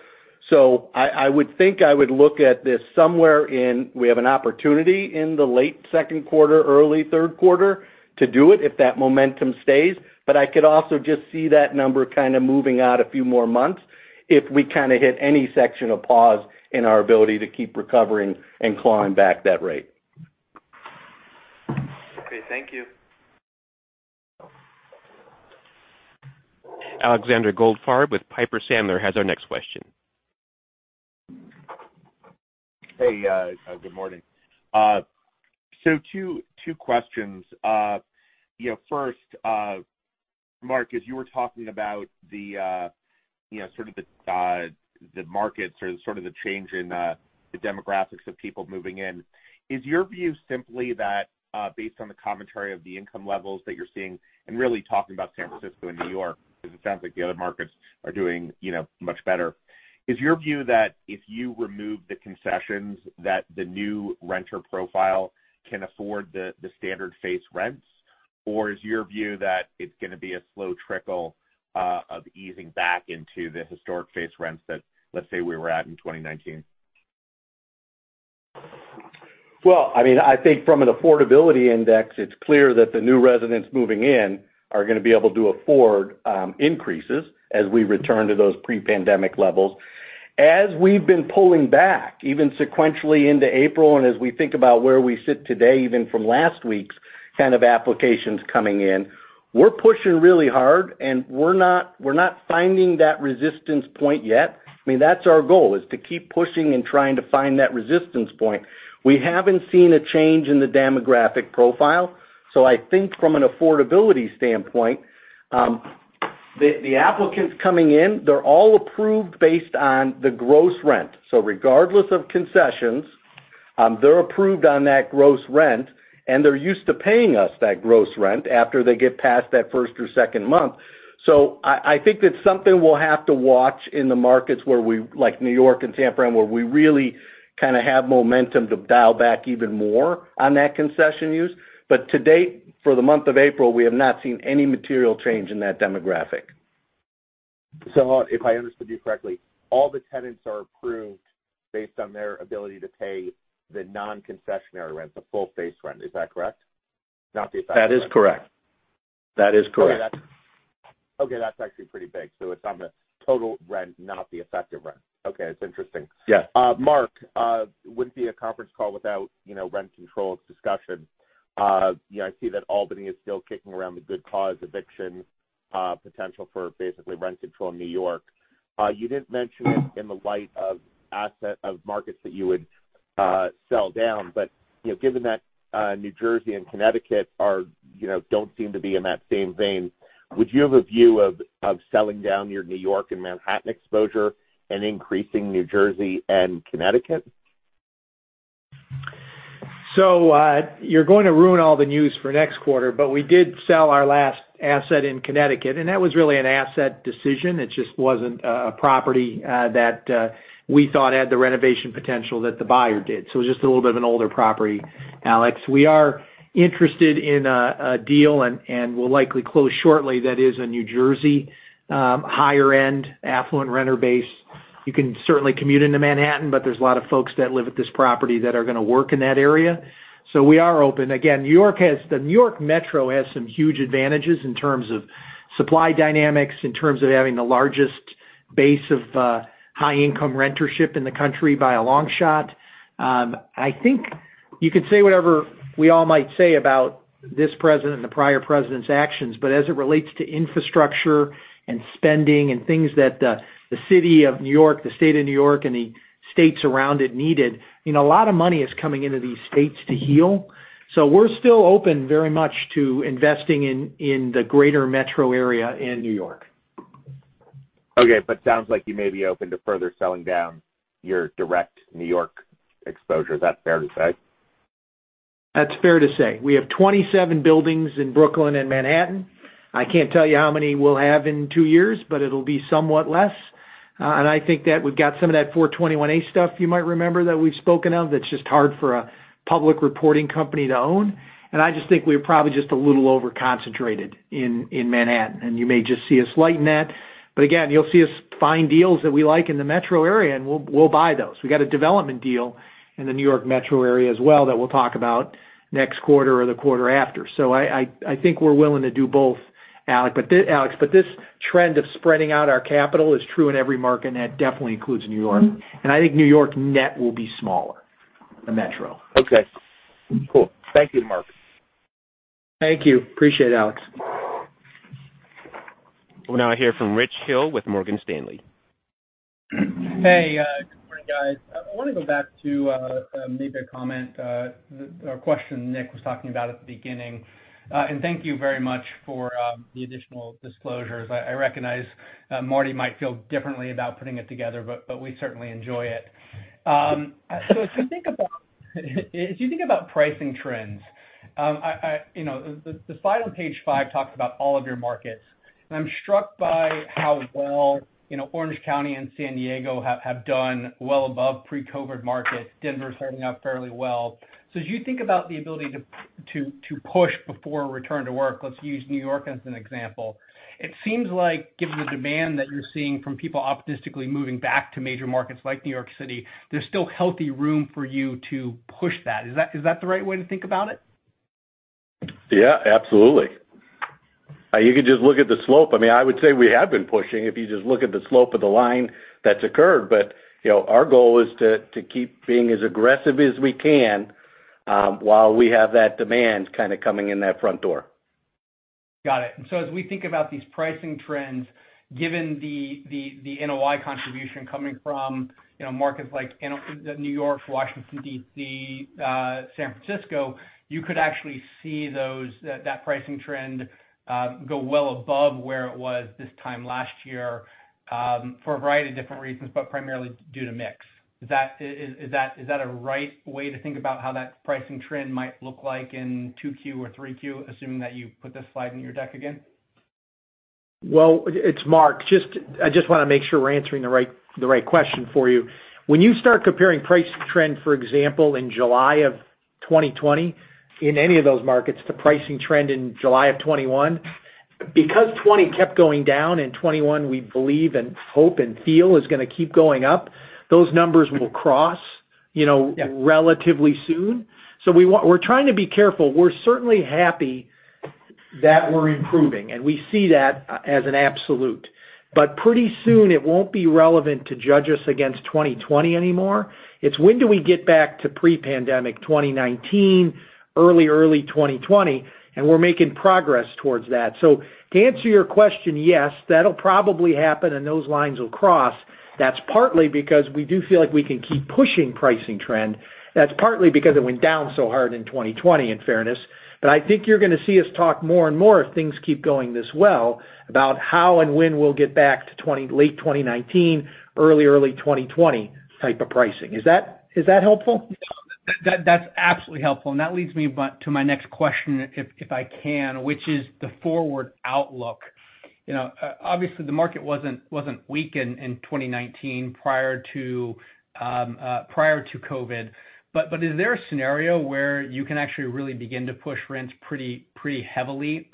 I would think I would look at this somewhere in, we have an opportunity in the late second quarter, early third quarter to do it if that momentum stays. I could also just see that number kind of moving out a few more months if we kind of hit any section of pause in our ability to keep recovering and clawing back that rate. Okay, thank you. Alexander Goldfarb with Piper Sandler has our next question. Hey, good morning. Two questions. First, Mark, as you were talking about the markets or the change in the demographics of people moving in, is your view simply that, based on the commentary of the income levels that you're seeing, and really talking about San Francisco and New York, because it sounds like the other markets are doing much better. Is your view that if you remove the concessions that the new renter profile can afford the standard face rents, or is your view that it's going to be a slow trickle of easing back into the historic face rents that, let's say, we were at in 2019? Well, I think from an affordability index, it's clear that the new residents moving in are going to be able to afford increases as we return to those pre-pandemic levels. As we've been pulling back, even sequentially into April, as we think about where we sit today, even from last week's kind of applications coming in, we're pushing really hard, and we're not finding that resistance point yet. That's our goal, is to keep pushing and trying to find that resistance point. We haven't seen a change in the demographic profile. I think from an affordability standpoint, the applicants coming in, they're all approved based on the gross rent. Regardless of concessions, they're approved on that gross rent, and they're used to paying us that gross rent after they get past that first or second month. I think that's something we'll have to watch in the markets like New York and San Fran, where we really kind of have momentum to dial back even more on that concession use. To date, for the month of April, we have not seen any material change in that demographic. If I understood you correctly, all the tenants are approved based on their ability to pay the non-concessionary rent, the full face rent. Is that correct? Not the effective rent. That is correct. Okay, that's actually pretty big. It's on the total rent, not the effective rent. Okay. It's interesting. Yes. Mark, it wouldn't be a conference call without rent control discussion. I see that Albany is still kicking around the Good Cause Eviction potential for basically rent control in New York. Given that New Jersey and Connecticut don't seem to be in that same vein, would you have a view of selling down your New York and Manhattan exposure and increasing New Jersey and Connecticut? You're going to ruin all the news for next quarter, but we did sell our last asset in Connecticut, and that was really an asset decision. It just wasn't a property that we thought had the renovation potential that the buyer did. It was just a little bit of an older property, Alex. We are interested in a deal, and we'll likely close shortly. That is in New Jersey, higher end, affluent renter base. You can certainly commute into Manhattan, but there's a lot of folks that live at this property that are going to work in that area. We are open. Again, the New York Metro has some huge advantages in terms of supply dynamics, in terms of having the largest base of high-income rentership in the country by a long shot. I think you could say whatever we all might say about this president and the prior president's actions, but as it relates to infrastructure and spending and things that the city of New York, the state of New York, and the states around it needed, a lot of money is coming into these states to heal. We're still open very much to investing in the greater metro area in New York. Okay. Sounds like you may be open to further selling down your direct New York exposure. Is that fair to say? That's fair to say. We have 27 buildings in Brooklyn and Manhattan. I can't tell you how many we'll have in two years, but it'll be somewhat less. I think that we've got some of that 421-a stuff you might remember that we've spoken of, that's just hard for a public reporting company to own. I just think we're probably just a little over-concentrated in Manhattan, and you may just see us lighten that. Again, you'll see us find deals that we like in the metro area, and we'll buy those. We got a development deal in the New York Metro area as well that we'll talk about next quarter or the quarter after. I think we're willing to do both, Alex, but this trend of spreading out our capital is true in every market, and that definitely includes New York. I think New York net will be smaller, the metro. Okay, cool. Thank you, Mark. Thank you. Appreciate it, Alex. We'll now hear from Rich Hill with Morgan Stanley. Hey, good morning, guys. I want to go back to maybe a comment or question Nick was talking about at the beginning. Thank you very much for the additional disclosures. I recognize Marty might feel differently about putting it together, but we certainly enjoy it. If you think about pricing trends, the slide on page five talks about all of your markets, and I'm struck by how well Orange County and San Diego have done well above pre-COVID markets. Denver's holding up fairly well. As you think about the ability to push before a return to work, let's use New York as an example. It seems like given the demand that you're seeing from people opportunistically moving back to major markets like New York City, there's still healthy room for you to push that. Is that the right way to think about it? Yeah, absolutely. You could just look at the slope. I would say we have been pushing, if you just look at the slope of the line that's occurred. Our goal is to keep being as aggressive as we can, while we have that demand coming in that front door. Got it. As we think about these pricing trends, given the NOI contribution coming from markets like New York, Washington, D.C., San Francisco, you could actually see that pricing trend go well above where it was this time last year, for a variety of different reasons, but primarily due to mix. Is that a right way to think about how that pricing trend might look like in Q2 or Q3, assuming that you put this slide in your deck again? Well, it is Mark. I just want to make sure we are answering the right question for you. When you start comparing pricing trend, for example, in July of 2020 in any of those markets to pricing trend in July of 2021, because 2020 kept going down, and 2021 we believe and hope and feel is going to keep going up, those numbers will cross- Yeah relatively soon. We're trying to be careful. We're certainly happy that we're improving, and we see that as an absolute. Pretty soon it won't be relevant to judge us against 2020 anymore. It's when do we get back to pre-pandemic 2019, early 2020? We're making progress towards that. To answer your question, yes, that'll probably happen, and those lines will cross. That's partly because we do feel like we can keep pushing pricing trend. That's partly because it went down so hard in 2020, in fairness. I think you're going to see us talk more and more if things keep going this well about how and when we'll get back to late 2019, early 2020 type of pricing. Is that helpful? That's absolutely helpful. That leads me to my next question, if I can, which is the forward outlook. Obviously the market wasn't weak in 2019 prior to COVID, is there a scenario where you can actually really begin to push rents pretty heavily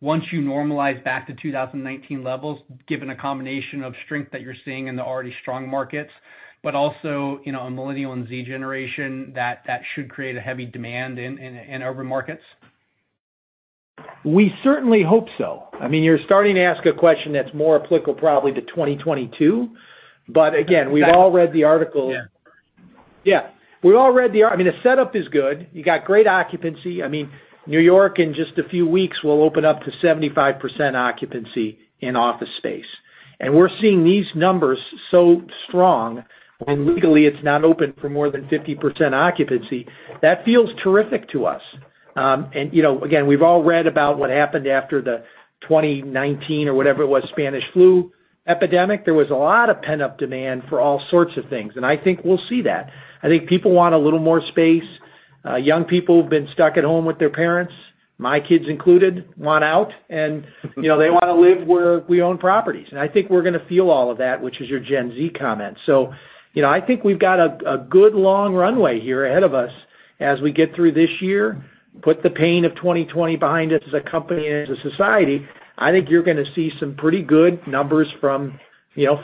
once you normalize back to 2019 levels, given a combination of strength that you're seeing in the already strong markets, but also a millennial and Z generation that should create a heavy demand in urban markets? We certainly hope so. You're starting to ask a question that's more applicable probably to 2022. Again, we've all read the article. Yeah. Yeah. The setup is good. You got great occupancy. New York in just a few weeks will open up to 75% occupancy in office space. We're seeing these numbers so strong when legally it's not open for more than 50% occupancy. That feels terrific to us. Again, we've all read about what happened after the 2019, or whatever it was, Spanish flu epidemic. There was a lot of pent-up demand for all sorts of things, and I think we'll see that. I think people want a little more space. Young people who've been stuck at home with their parents, my kids included, want out. They want to live where we own properties. I think we're going to feel all of that, which is your Gen Z comment. I think we've got a good long runway here ahead of us as we get through this year, put the pain of 2020 behind us as a company and as a society. I think you're going to see some pretty good numbers from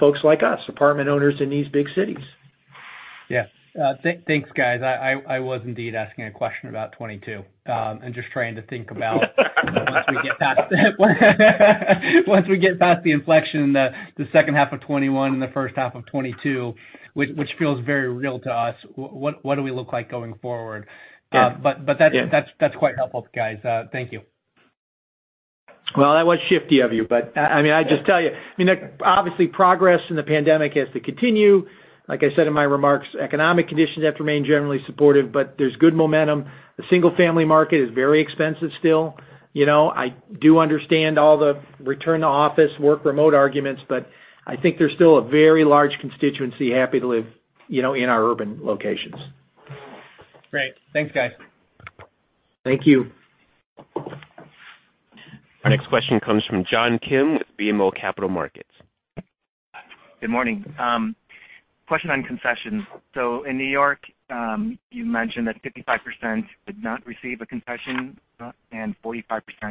folks like us, apartment owners in these big cities. Yeah. Thanks, guys. I was indeed asking a question about 2022. Just trying to think about once we get past the inflection in the second half of 2021 and the first half of 2022, which feels very real to us, what do we look like going forward? Yeah. That's quite helpful, guys. Thank you. Well, that was shifty of you. I just tell you, obviously progress in the pandemic has to continue. Like I said in my remarks, economic conditions have to remain generally supportive, but there's good momentum. The single-family market is very expensive still. I do understand all the return to office, work remote arguments, but I think there's still a very large constituency happy to live in our urban locations. Great. Thanks, guys. Thank you. Our next question comes from John Kim with BMO Capital Markets. Good morning. Question on concessions. In New York, you mentioned that 55% did not receive a concession, and 45%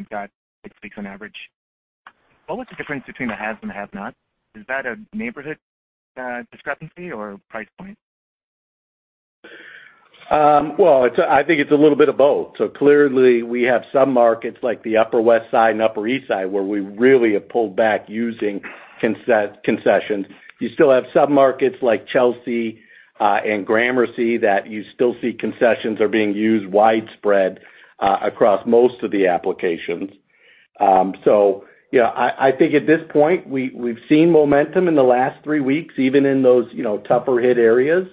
got six weeks on average. What was the difference between the haves and the have-nots? Is that a neighborhood discrepancy or price point? I think it's a little bit of both. Clearly we have some markets like the Upper West Side and Upper East Side where we really have pulled back using concessions. You still have sub-markets like Chelsea and Gramercy that you still see concessions are being used widespread across most of the applications. Yeah, I think at this point, we've seen momentum in the last three weeks, even in those tougher hit areas.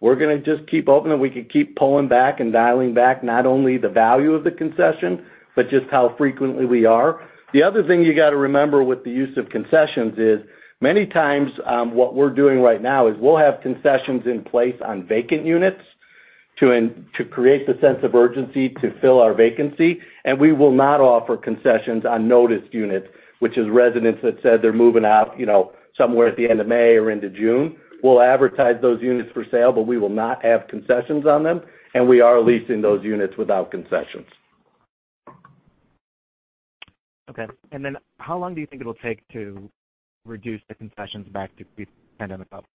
We're going to just keep open, and we can keep pulling back and dialing back not only the value of the concession, but just how frequently we are. The other thing you got to remember with the use of concessions is many times what we're doing right now is we'll have concessions in place on vacant units to create the sense of urgency to fill our vacancy. We will not offer concessions on noticed units, which is residents that said they're moving out somewhere at the end of May or into June. We'll advertise those units for sale, but we will not have concessions on them, and we are leasing those units without concessions. Okay. How long do you think it will take to reduce the concessions back to pre-pandemic levels?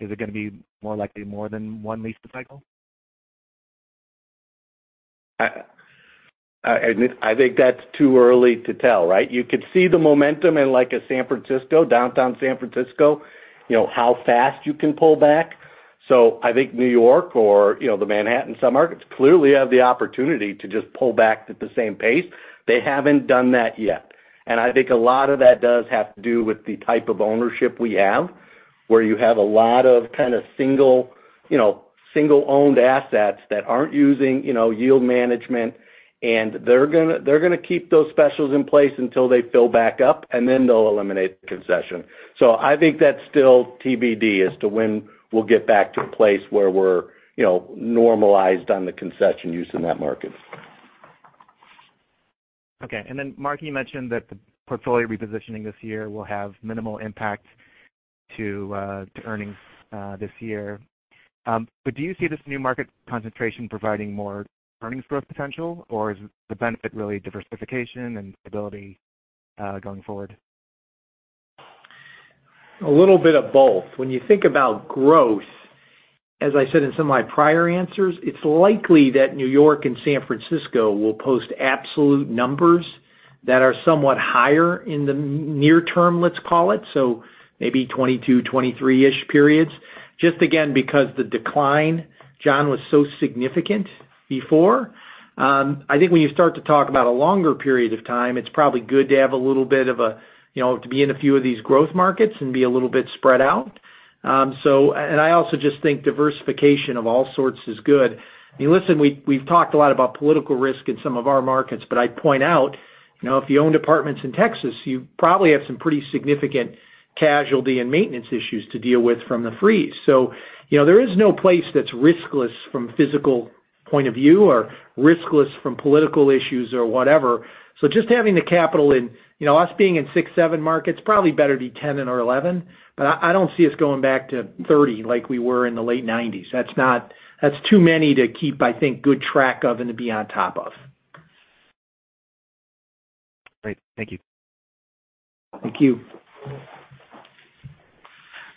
Is it going to be more likely more than one lease cycle? I think that's too early to tell, right? You could see the momentum in a San Francisco, downtown San Francisco, how fast you can pull back. I think New York or the Manhattan sub-markets clearly have the opportunity to just pull back at the same pace. They haven't done that yet. I think a lot of that does have to do with the type of ownership we have, where you have a lot of kind of single-owned assets that aren't using yield management, and they're going to keep those specials in place until they fill back up, and then they'll eliminate the concession. I think that's still TBD as to when we'll get back to a place where we're normalized on the concession use in that market. Okay. Mark, you mentioned that the portfolio repositioning this year will have minimal impact to earnings this year. Do you see this new market concentration providing more earnings growth potential? Is the benefit really diversification and stability going forward? A little bit of both. When you think about growth, as I said in some of my prior answers, it's likely that New York and San Francisco will post absolute numbers that are somewhat higher in the near term, let's call it, so maybe 2022, 2023-ish periods. Just again, because the decline, John, was so significant before. I think when you start to talk about a longer period of time, it's probably good to have a little bit of a To be in a few of these growth markets and be a little bit spread out. I also just think diversification of all sorts is good. Listen, we've talked a lot about political risk in some of our markets, but I'd point out, if you own apartments in Texas, you probably have some pretty significant casualty and maintenance issues to deal with from the freeze. There is no place that's riskless from physical point of view or riskless from political issues or whatever. Just having the capital in, us being in six, seven markets, probably better to be 10 or 11, but I don't see us going back to 30 like we were in the late 1990s. That's too many to keep, I think, good track of and to be on top of. Great. Thank you. Thank you.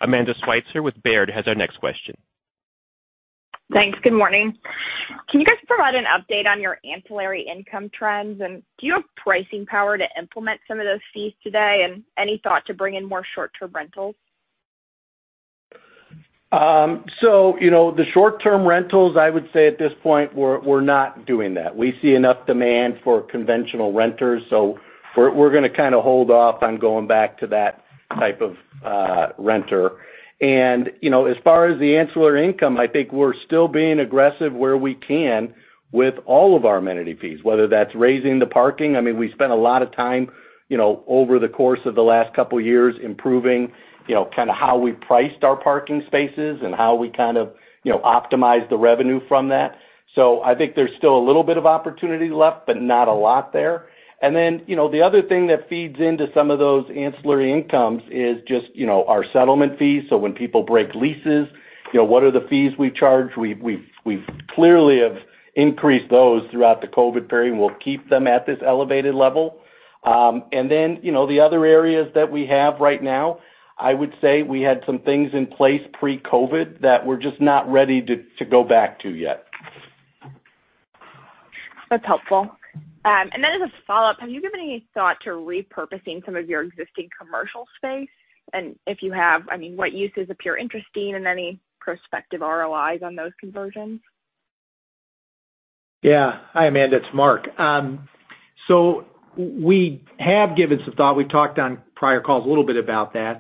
Amanda Sweitzer with Baird has our next question. Thanks. Good morning. Can you guys provide an update on your ancillary income trends? Do you have pricing power to implement some of those fees today? Any thought to bring in more short-term rentals? The short-term rentals, I would say at this point, we're not doing that. We see enough demand for conventional renters, we're going to kind of hold off on going back to that type of renter. As far as the ancillary income, I think we're still being aggressive where we can with all of our amenity fees, whether that's raising the parking. We spent a lot of time over the course of the last couple of years improving kind of how we priced our parking spaces and how we kind of optimized the revenue from that. I think there's still a little bit of opportunity left, but not a lot there. The other thing that feeds into some of those ancillary incomes is just our settlement fees. When people break leases, what are the fees we charge? We clearly have increased those throughout the COVID period, and we'll keep them at this elevated level. Then, the other areas that we have right now, I would say we had some things in place pre-COVID that we're just not ready to go back to yet. That's helpful. As a follow-up, have you given any thought to repurposing some of your existing commercial space? If you have, what uses appear interesting and any prospective ROIs on those conversions? Hi, Amanda. It's Mark. We have given some thought. We've talked on prior calls a little bit about that.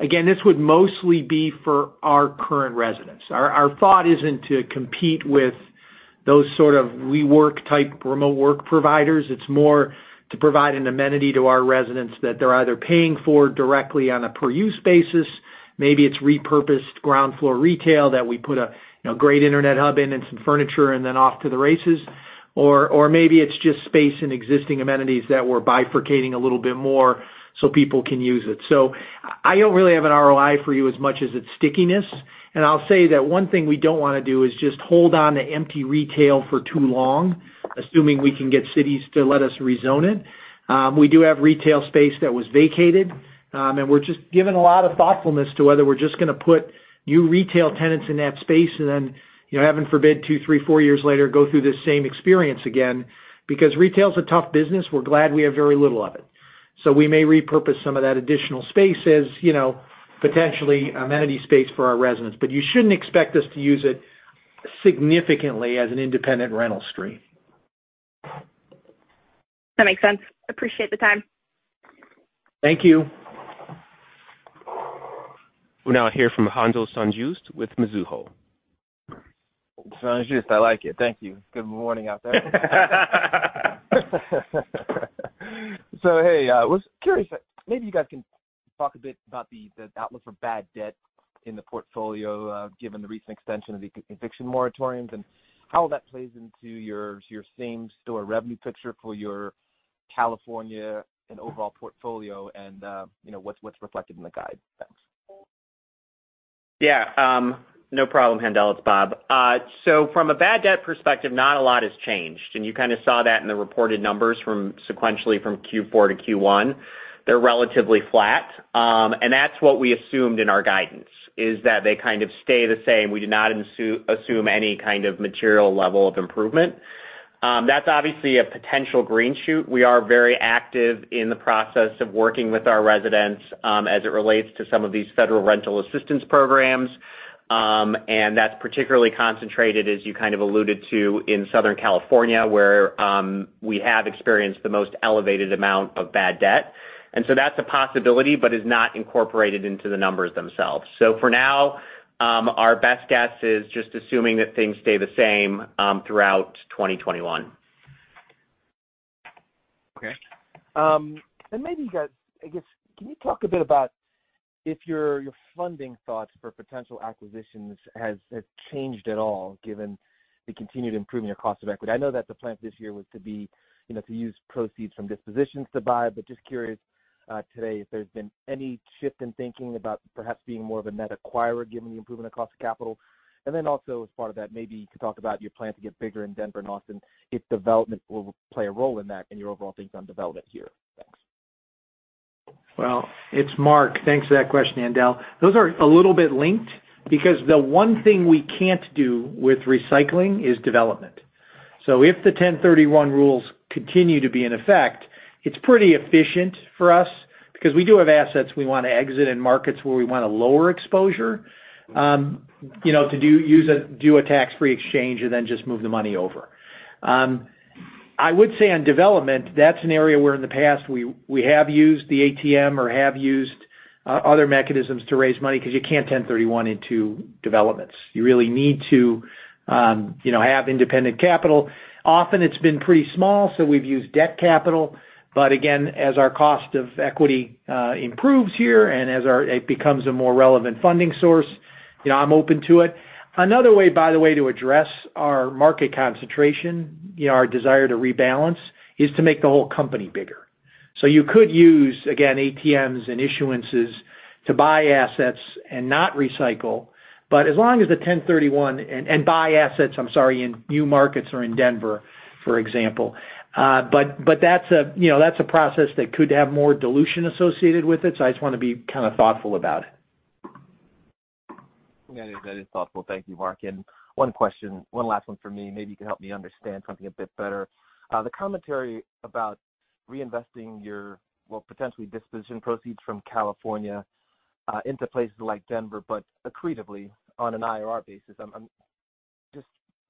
Again, this would mostly be for our current residents. Our thought isn't to compete with those sort of WeWork-type remote work providers. It's more to provide an amenity to our residents that they're either paying for directly on a per-use basis. Maybe it's repurposed ground floor retail that we put a great internet hub in and some furniture, and then off to the races. Maybe it's just space in existing amenities that we're bifurcating a little bit more so people can use it. I don't really have an ROI for you as much as its stickiness. I'll say that one thing we don't want to do is just hold on to empty retail for too long, assuming we can get cities to let us rezone it. We do have retail space that was vacated. We're just giving a lot of thoughtfulness to whether we're just going to put new retail tenants in that space and then, heaven forbid, two, three, four years later, go through this same experience again. Retail is a tough business, we're glad we have very little of it. We may repurpose some of that additional space as potentially amenity space for our residents. You shouldn't expect us to use it significantly as an independent rental stream. That makes sense. Appreciate the time. Thank you. We'll now hear from Haendel St. Juste with Mizuho. St. Juste, I like it. Thank you. Good morning out there. Hey, I was curious. Maybe you guys can talk a bit about the outlook for bad debt in the portfolio, given the recent extension of the eviction moratoriums, and how that plays into your same-store revenue picture for your California and overall portfolio, and what's reflected in the guide. No problem, Haendel. It's Bob. From a bad debt perspective, not a lot has changed, and you kind of saw that in the reported numbers sequentially from Q4 to Q1. They're relatively flat. That's what we assumed in our guidance, is that they kind of stay the same. We do not assume any kind of material level of improvement. That's obviously a potential green shoot. We are very active in the process of working with our residents, as it relates to some of these federal rental assistance programs. That's particularly concentrated, as you kind of alluded to, in Southern California, where we have experienced the most elevated amount of bad debt. That's a possibility, but is not incorporated into the numbers themselves. For now, our best guess is just assuming that things stay the same, throughout 2021. Okay. Maybe, I guess, can you talk a bit about if your funding thoughts for potential acquisitions has changed at all given the continued improvement of cost of equity? I know that the plan for this year was to use proceeds from dispositions to buy, just curious today if there's been any shift in thinking about perhaps being more of a net acquirer given the improvement of cost of capital. Also as part of that, maybe you could talk about your plan to get bigger in Denver and Austin, if development will play a role in that, and your overall thinks on development here. Thanks. Well, it's Mark. Thanks for that question, Haendel. Those are a little bit linked because the one thing we can't do with recycling is development. If the 1031 rules continue to be in effect, it's pretty efficient for us because we do have assets we want to exit in markets where we want a lower exposure. To do a tax-free exchange and then just move the money over. I would say on development, that's an area where in the past we have used the ATM or have used other mechanisms to raise money because you can't 1031 into developments. You really need to have independent capital. Often it's been pretty small, so we've used debt capital, but again, as our cost of equity improves here and as it becomes a more relevant funding source, I'm open to it. Another way, by the way, to address our market concentration, our desire to rebalance, is to make the whole company bigger. You could use, again, ATMs and issuances to buy assets and not recycle. Buy assets, I'm sorry, in new markets or in Denver, for example. That's a process that could have more dilution associated with it, so I just want to be kind of thoughtful about it. That is thoughtful. Thank you, Mark. One question, one last one from me. Maybe you can help me understand something a bit better. The commentary about reinvesting your, well, potentially disposition proceeds from California into places like Denver, but accretively on an IRR basis. I'm just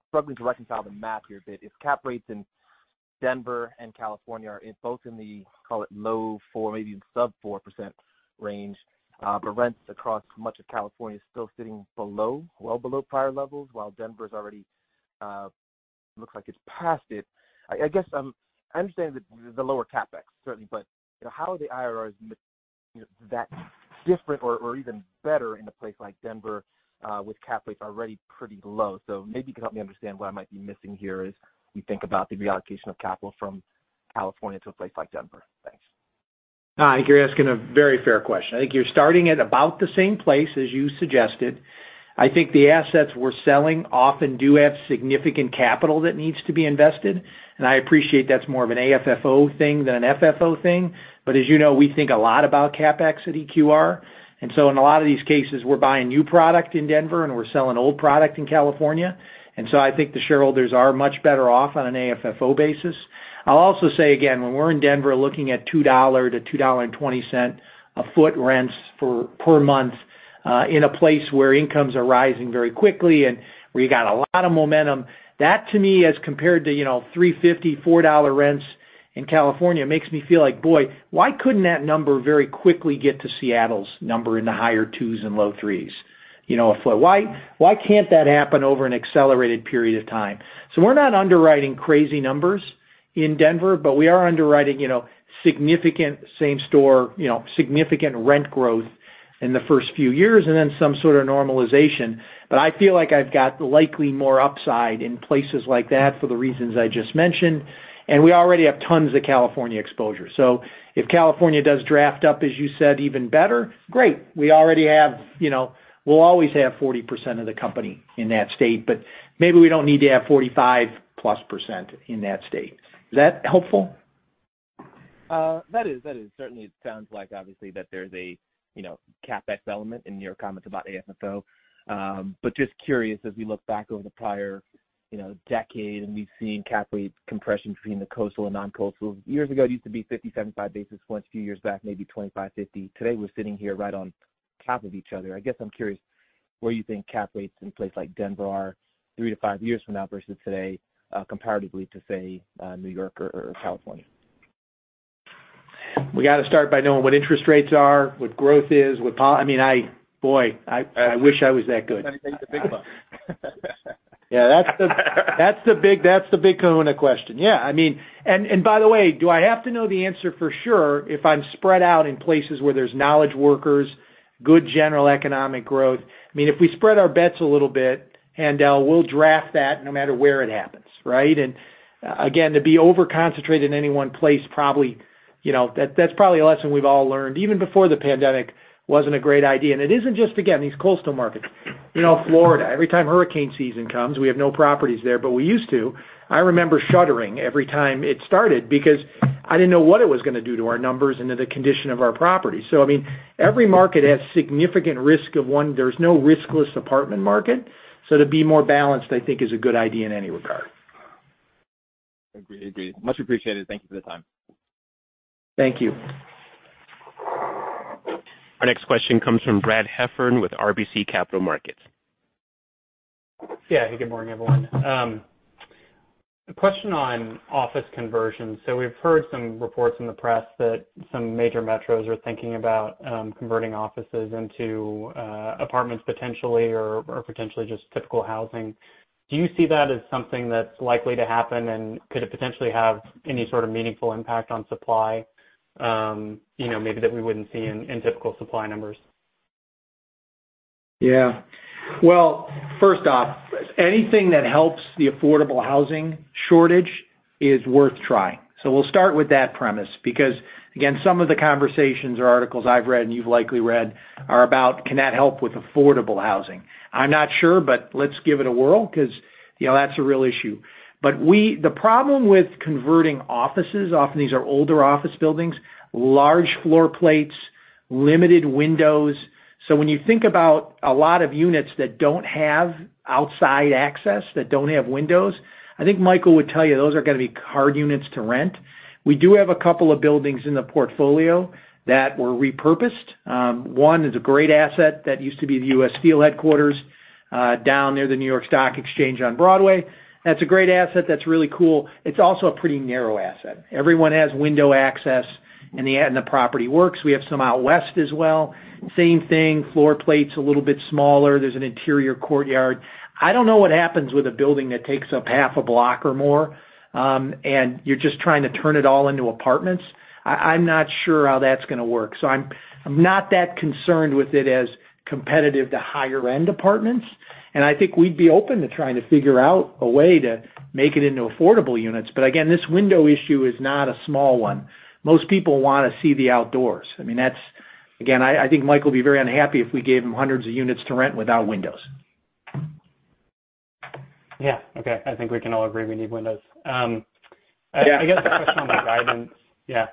struggling to reconcile the math here a bit. If cap rates in Denver and California are both in the, call it low 4%, maybe even sub 4% range, but rents across much of California are still sitting below, well below prior levels, while Denver's already looks like it's passed it. I understand the lower CapEx certainly, but how are the IRRs that different or even better in a place like Denver, with cap rates already pretty low. Maybe you can help me understand what I might be missing here as we think about the reallocation of capital from California to a place like Denver. Thanks. I think you're asking a very fair question. I think you're starting at about the same place as you suggested. I think the assets we're selling often do have significant capital that needs to be invested, and I appreciate that's more of an AFFO thing than an FFO thing. As you know, we think a lot about CapEx at EQR, in a lot of these cases, we're buying new product in Denver and we're selling old product in California. I think the shareholders are much better off on an AFFO basis. I'll also say again, when we're in Denver looking at $2-$2.20 a foot rents per month, in a place where incomes are rising very quickly and where you got a lot of momentum. That to me, as compared to $3.50, $4 rents in California, makes me feel like, boy, why couldn't that number very quickly get to Seattle's number in the higher twos and low threes? Why can't that happen over an accelerated period of time? We're not underwriting crazy numbers in Denver, but we are underwriting significant same store, significant rent growth in the first few years and then some sort of normalization. I feel like I've got likely more upside in places like that for the reasons I just mentioned. We already have tons of California exposure. If California does draft up, as you said, even better, great. We'll always have 40% of the company in that state, but maybe we don't need to have 45+ percent in that state. Is that helpful? Certainly it sounds like obviously that there's a CapEx element in your comments about AFFO. Just curious, as we look back over the prior decade and we've seen cap rate compression between the coastal and non-coastal. Years ago, it used to be 50, 75 basis points, a few years back, maybe 25, 50. Today, we're sitting here right on top of each other. I guess I'm curious where you think cap rates in a place like Denver are three to five years from now versus today, comparatively to, say, New York or California. We got to start by knowing what interest rates are, what growth is. Boy, I wish I was that good. That'd make the big bucks. That's the big kahuna question. Yeah. By the way, do I have to know the answer for sure if I'm spread out in places where there's knowledge workers, good general economic growth? If we spread our bets a little bit, Haendel, we'll draft that no matter where it happens, right? Again, to be over-concentrated in any one place That's probably a lesson we've all learned, even before the pandemic. It wasn't a great idea. It isn't just, again, these coastal markets. Florida, every time hurricane season comes, we have no properties there, but we used to. I remember shuddering every time it started because I didn't know what it was going to do to our numbers and to the condition of our property. Every market has significant risk of one. There's no riskless apartment market, so to be more balanced, I think is a good idea in any regard. Agreed. Much appreciated. Thank you for the time. Thank you. Our next question comes from Brad Heffern with RBC Capital Markets. Yeah. Good morning, everyone. A question on office conversion. We've heard some reports in the press that some major metros are thinking about converting offices into apartments potentially or potentially just typical housing. Do you see that as something that's likely to happen and could it potentially have any sort of meaningful impact on supply, maybe that we wouldn't see in typical supply numbers? Yeah. Well, first off, anything that helps the affordable housing shortage is worth trying. We'll start with that premise because, again, some of the conversations or articles I've read and you've likely read are about can that help with affordable housing? I'm not sure, let's give it a whirl because that's a real issue. The problem with converting offices, often these are older office buildings, large floor plates, limited windows. When you think about a lot of units that don't have outside access, that don't have windows, I think Michael would tell you those are going to be hard units to rent. We do have a couple of buildings in the portfolio that were repurposed. One is a great asset that used to be the U.S. Steel headquarters, down near the New York Stock Exchange on Broadway. That's a great asset. That's really cool. It's also a pretty narrow asset. Everyone has window access, and the property works. We have some out west as well. Same thing, floor plate's a little bit smaller. There's an interior courtyard. I don't know what happens with a building that takes up half a block or more, and you're just trying to turn it all into apartments. I'm not sure how that's going to work. I'm not that concerned with it as competitive to higher-end apartments, and I think we'd be open to trying to figure out a way to make it into affordable units. Again, this window issue is not a small one. Most people want to see the outdoors. Again, I think Mike will be very unhappy if we gave him hundreds of units to rent without windows. Yeah. Okay. I think we can all agree we need windows. Yeah. I guess a question on the guidance. Yeah.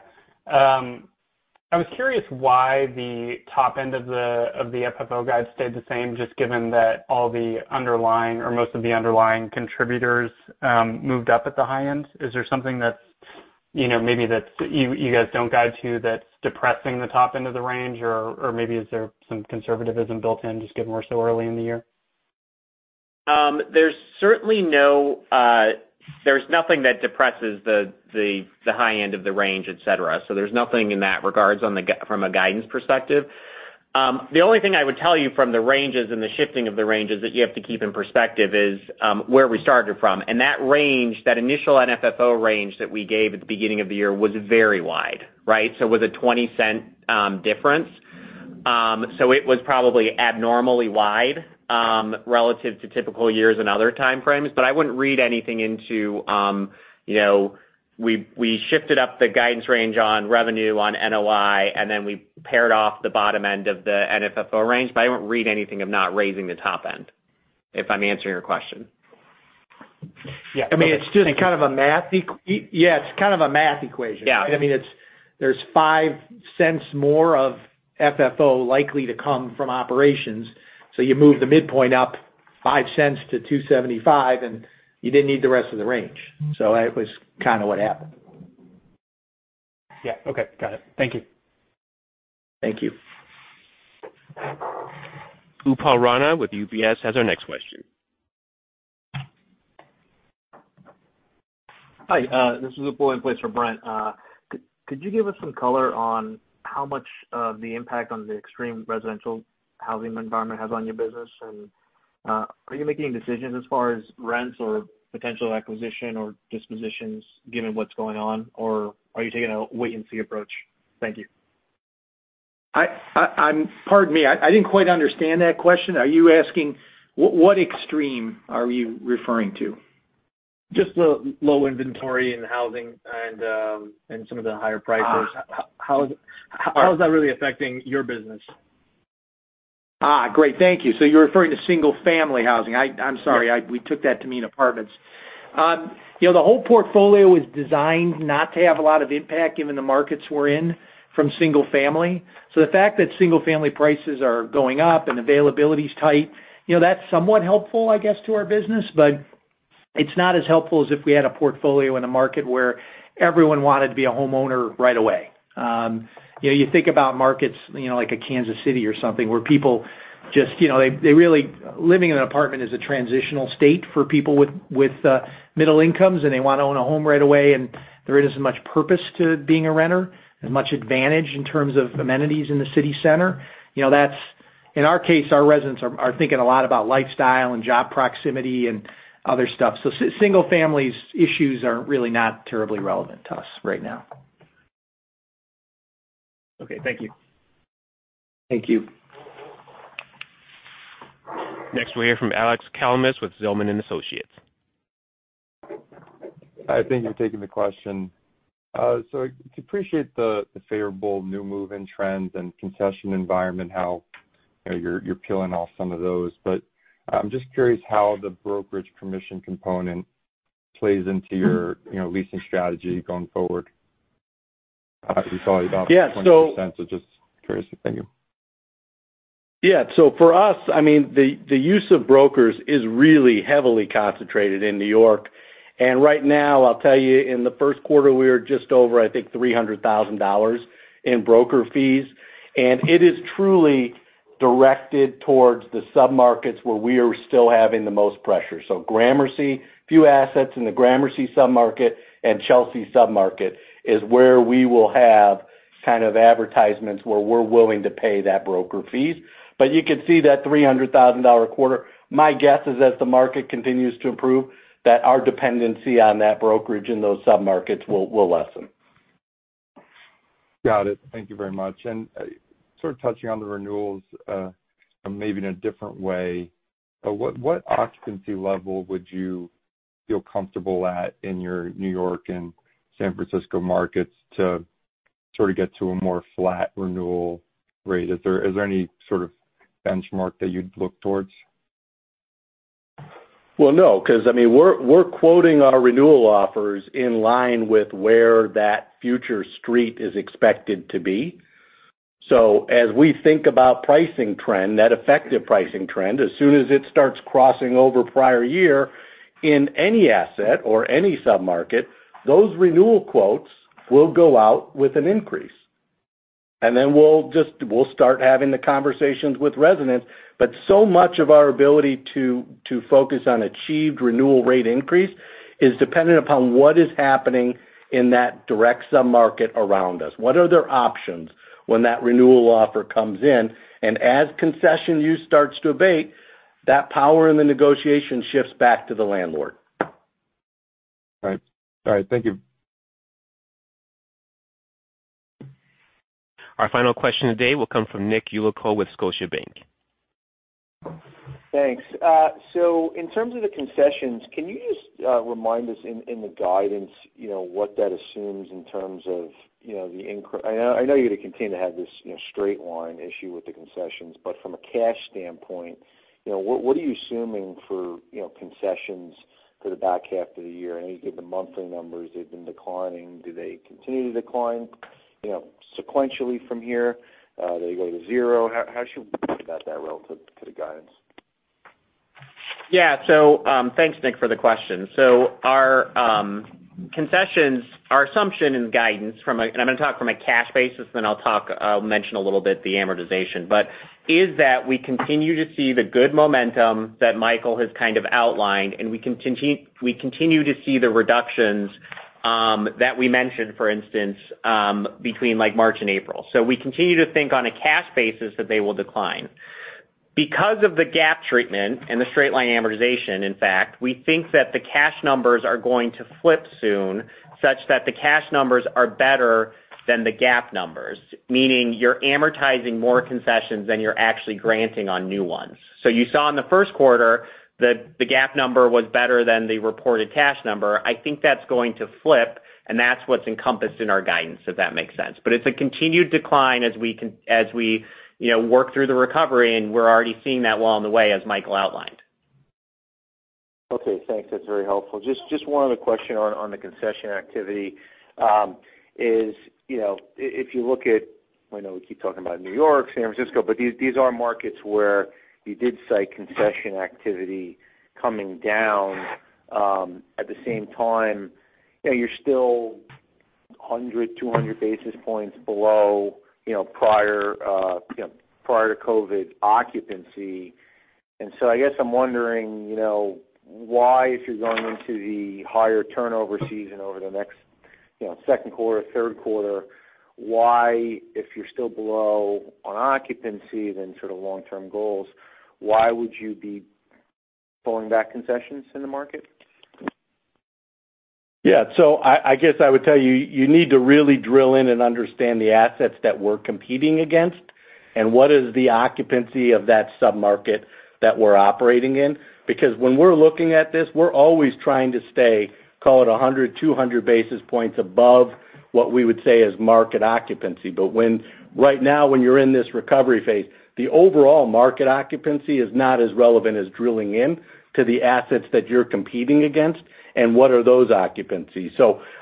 I was curious why the top end of the FFO guide stayed the same, just given that all the underlying or most of the underlying contributors moved up at the high end. Is there something that maybe you guys don't guide to that's depressing the top end of the range? Or maybe is there some conservatism built in, just given we're so early in the year? There's nothing that depresses the high end of the range, etc. There's nothing in that regards from a guidance perspective. The only thing I would tell you from the ranges and the shifting of the ranges that you have to keep in perspective is where we started from. That range, that initial FFO range that we gave at the beginning of the year was very wide, right? It was a $0.20 difference. It was probably abnormally wide, relative to typical years and other time frames. I wouldn't read anything into we shifted up the guidance range on revenue on NOI, and then we paired off the bottom end of the FFO range. I wouldn't read anything of not raising the top end, if I'm answering your question. Yeah. It's just kind of a math equation. Yeah. There's $0.05 more of FFO likely to come from operations. You move the midpoint up $0.05-$2.75, and you didn't need the rest of the range. That was kind of what happened. Yeah. Okay. Got it. Thank you. Thank you. Upal Rana with UBS has our next question. Hi, this is Upal in place for Parrell. Could you give us some color on how much of the impact on the extreme residential housing environment has on your business? Are you making decisions as far as rents or potential acquisition or dispositions given what's going on? Are you taking a wait and see approach? Thank you. Pardon me. I didn't quite understand that question. Are you asking what extreme are you referring to? Just the low inventory in housing and some of the higher prices. How is that really affecting your business? Great. Thank you. You're referring to single family housing. I'm sorry, we took that to mean apartments. The whole portfolio is designed not to have a lot of impact given the markets we're in from single family. The fact that single family prices are going up and availability's tight, that's somewhat helpful, I guess, to our business, but it's not as helpful as if we had a portfolio in a market where everyone wanted to be a homeowner right away. You think about markets like a Kansas City or something, where people just, living in an apartment is a transitional state for people with middle incomes, and they want to own a home right away, and there isn't as much purpose to being a renter, as much advantage in terms of amenities in the city center. In our case, our residents are thinking a lot about lifestyle and job proximity and other stuff. Single-family issues are really not terribly relevant to us right now. Okay. Thank you. Thank you. Next we hear from Alex Kalmus with Zelman & Associates. I think you're taking the question. Appreciate the favorable new move-in trends and concession environment, how you're peeling off some of those. I'm just curious how the brokerage commission component plays into your leasing strategy going forward. Yeah, so- 20%, so just curious. Thank you. Yeah. For us, the use of brokers is really heavily concentrated in New York. Right now, I'll tell you, in the first quarter, we are just over, I think, $300,000 in broker fees, and it is truly directed towards the sub-markets where we are still having the most pressure. Gramercy, few assets in the Gramercy sub-market, and Chelsea sub-market is where we will have advertisements where we're willing to pay that broker fees. You could see that $300,000 a quarter. My guess is as the market continues to improve, that our dependency on that brokerage in those sub-markets will lessen. Got it. Thank you very much. Sort of touching on the renewals, maybe in a different way, what occupancy level would you feel comfortable at in your New York and San Francisco markets to sort of get to a more flat renewal rate? Is there any sort of benchmark that you'd look towards? No, because, we're quoting our renewal offers in line with where that future street is expected to be. As we think about pricing trend, net effective pricing trend, as soon as it starts crossing over prior year in any asset or any sub-market, those renewal quotes will go out with an increase. Then we'll start having the conversations with residents. So much of our ability to focus on achieved renewal rate increase is dependent upon what is happening in that direct sub-market around us. What are their options when that renewal offer comes in? As concession use starts to abate, that power in the negotiation shifts back to the landlord. All right. Thank you. Our final question today will come from Nick Yulico with Scotiabank. Thanks. In terms of the concessions, can you just remind us in the guidance, what that assumes in terms of the increase-- I know you're going to continue to have this straight line issue with the concessions, but from a cash standpoint, what are you assuming for concessions for the back half of the year? I know you give the monthly numbers, they've been declining. Do they continue to decline sequentially from here? Do they go to zero? How should we think about that relative to the guidance? Yeah. Thanks Nick, for the question. Our concessions, our assumption and guidance, I'm going to talk from a cash basis, then I'll mention a little bit the amortization, but is that we continue to see the good momentum that Michael Manelis has kind of outlined, and we continue to see the reductions that we mentioned, for instance, between March and April. We continue to think on a cash basis that they will decline. Because of the GAAP treatment and the straight-line amortization, in fact, we think that the cash numbers are going to flip soon, such that the cash numbers are better than the GAAP numbers, meaning you're amortizing more concessions than you're actually granting on new ones. You saw in the first quarter that the GAAP number was better than the reported cash number. I think that's going to flip, and that's what's encompassed in our guidance, if that makes sense. It's a continued decline as we work through the recovery, and we're already seeing that along the way, as Michael outlined. Okay, thanks. That's very helpful. Just one other question on the concession activity. If you look at, I know we keep talking about New York, San Francisco, but these are markets where you did cite concession activity coming down. At the same time, you're still 100, 200 basis points below prior to COVID occupancy. I guess I'm wondering, why, if you're going into the higher turnover season over the next second quarter, third quarter, why, if you're still below on occupancy than sort of long-term goals, why would you be pulling back concessions in the market? I guess I would tell you need to really drill in and understand the assets that we're competing against and what is the occupancy of that sub-market that we're operating in. When we're looking at this, we're always trying to stay, call it 100, 200 basis points above what we would say is market occupancy. Right now, when you're in this recovery phase, the overall market occupancy is not as relevant as drilling into the assets that you're competing against and what are those occupancies.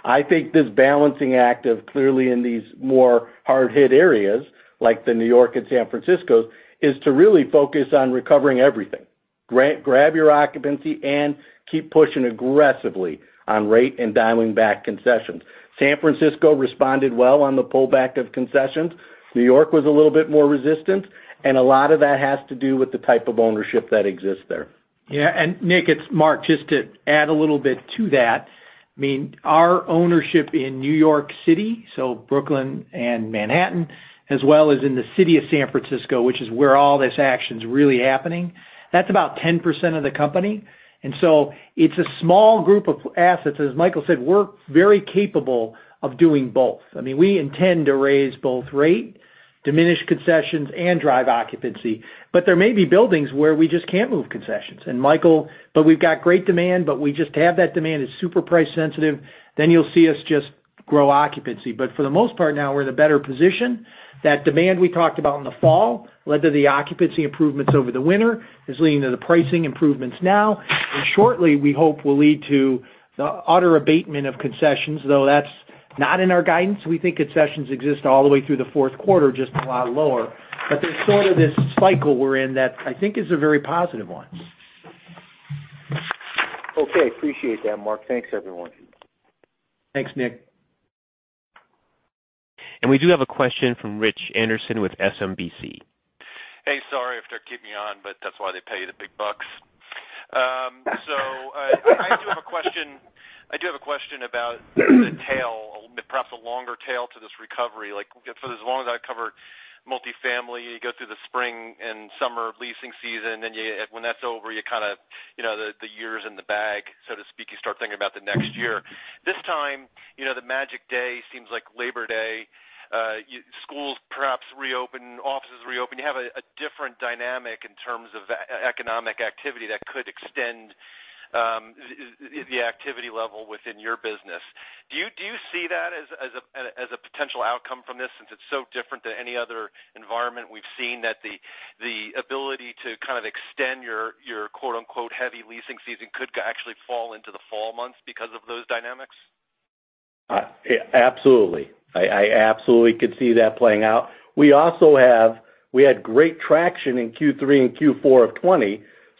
I think this balancing act of clearly in these more hard-hit areas, like the New York and San Franciscos, is to really focus on recovering everything. Grab your occupancy and keep pushing aggressively on rate and dialing back concessions. San Francisco responded well on the pullback of concessions. New York was a little bit more resistant, and a lot of that has to do with the type of ownership that exists there. Yeah. Nick, it's Mark, just to add a little bit to that. Our ownership in New York City, so Brooklyn and Manhattan, as well as in the city of San Francisco, which is where all this action's really happening, that's about 10% of the company. It's a small group of assets. As Michael said, we're very capable of doing both. We intend to raise both rat Diminish concessions and drive occupancy. There may be buildings where we just can't move concessions. Michael, we've got great demand, we just have that demand as super price sensitive, you'll see us just grow occupancy. For the most part now, we're in a better position. That demand we talked about in the fall led to the occupancy improvements over the winter, is leading to the pricing improvements now. Shortly, we hope will lead to the utter abatement of concessions, though that's not in our guidance. We think concessions exist all the way through the fourth quarter, just a lot lower. There's sort of this cycle we're in that I think is a very positive one. Okay. Appreciate that, Mark. Thanks, everyone. Thanks, Nick. We do have a question from Rich Anderson with SMBC. Hey, sorry if they're keeping you on, but that's why they pay you the big bucks. I do have a question about the tail, perhaps a longer tail to this recovery. For as long as I've covered multi-family, you go through the spring and summer leasing season, then when that's over, the year's in the bag, so to speak, you start thinking about the next year. This time, the magic day seems like Labor Day, schools perhaps reopen, offices reopen. You have a different dynamic in terms of economic activity that could extend the activity level within your business. Do you see that as a potential outcome from this, since it's so different than any other environment we've seen that the ability to kind of extend your quote unquote "heavy leasing season" could actually fall into the fall months because of those dynamics? Absolutely. I absolutely could see that playing out. We had great traction in Q3 and Q4 of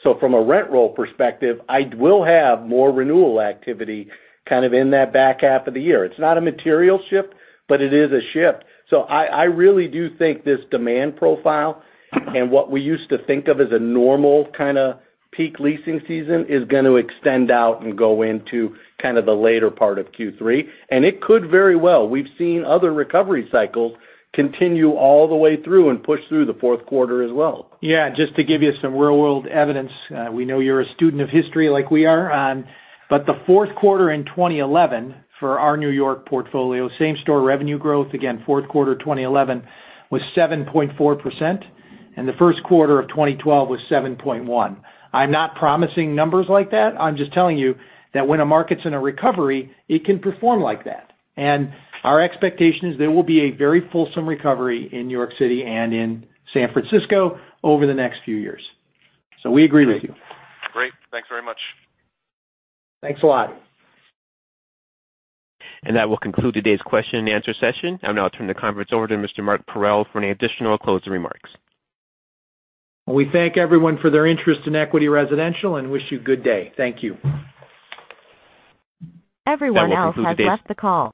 2020. From a rent roll perspective, I will have more renewal activity kind of in that back half of the year. It's not a material shift, but it is a shift. I really do think this demand profile and what we used to think of as a normal kind of peak leasing season is going to extend out and go into kind of the later part of Q3, and it could very well. We've seen other recovery cycles continue all the way through and push through the fourth quarter as well. Yeah, just to give you some real-world evidence, we know you're a student of history like we are. The fourth quarter in 2011 for our New York portfolio, same-store revenue growth, again, fourth quarter 2011 was 7.4%, and the first quarter of 2012 was 7.1%. I'm not promising numbers like that. I'm just telling you that when a market's in a recovery, it can perform like that. Our expectation is there will be a very fulsome recovery in New York City and in San Francisco over the next few years. We agree with you. Great. Thanks very much. Thanks a lot. That will conclude today's question and answer session. I'll now turn the conference over to Mr. Mark Parrell for any additional closing remarks. We thank everyone for their interest in Equity Residential and wish you good day. Thank you. Everyone else has left the call.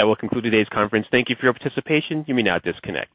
That will conclude today's conference. Thank you for your participation. You may now disconnect.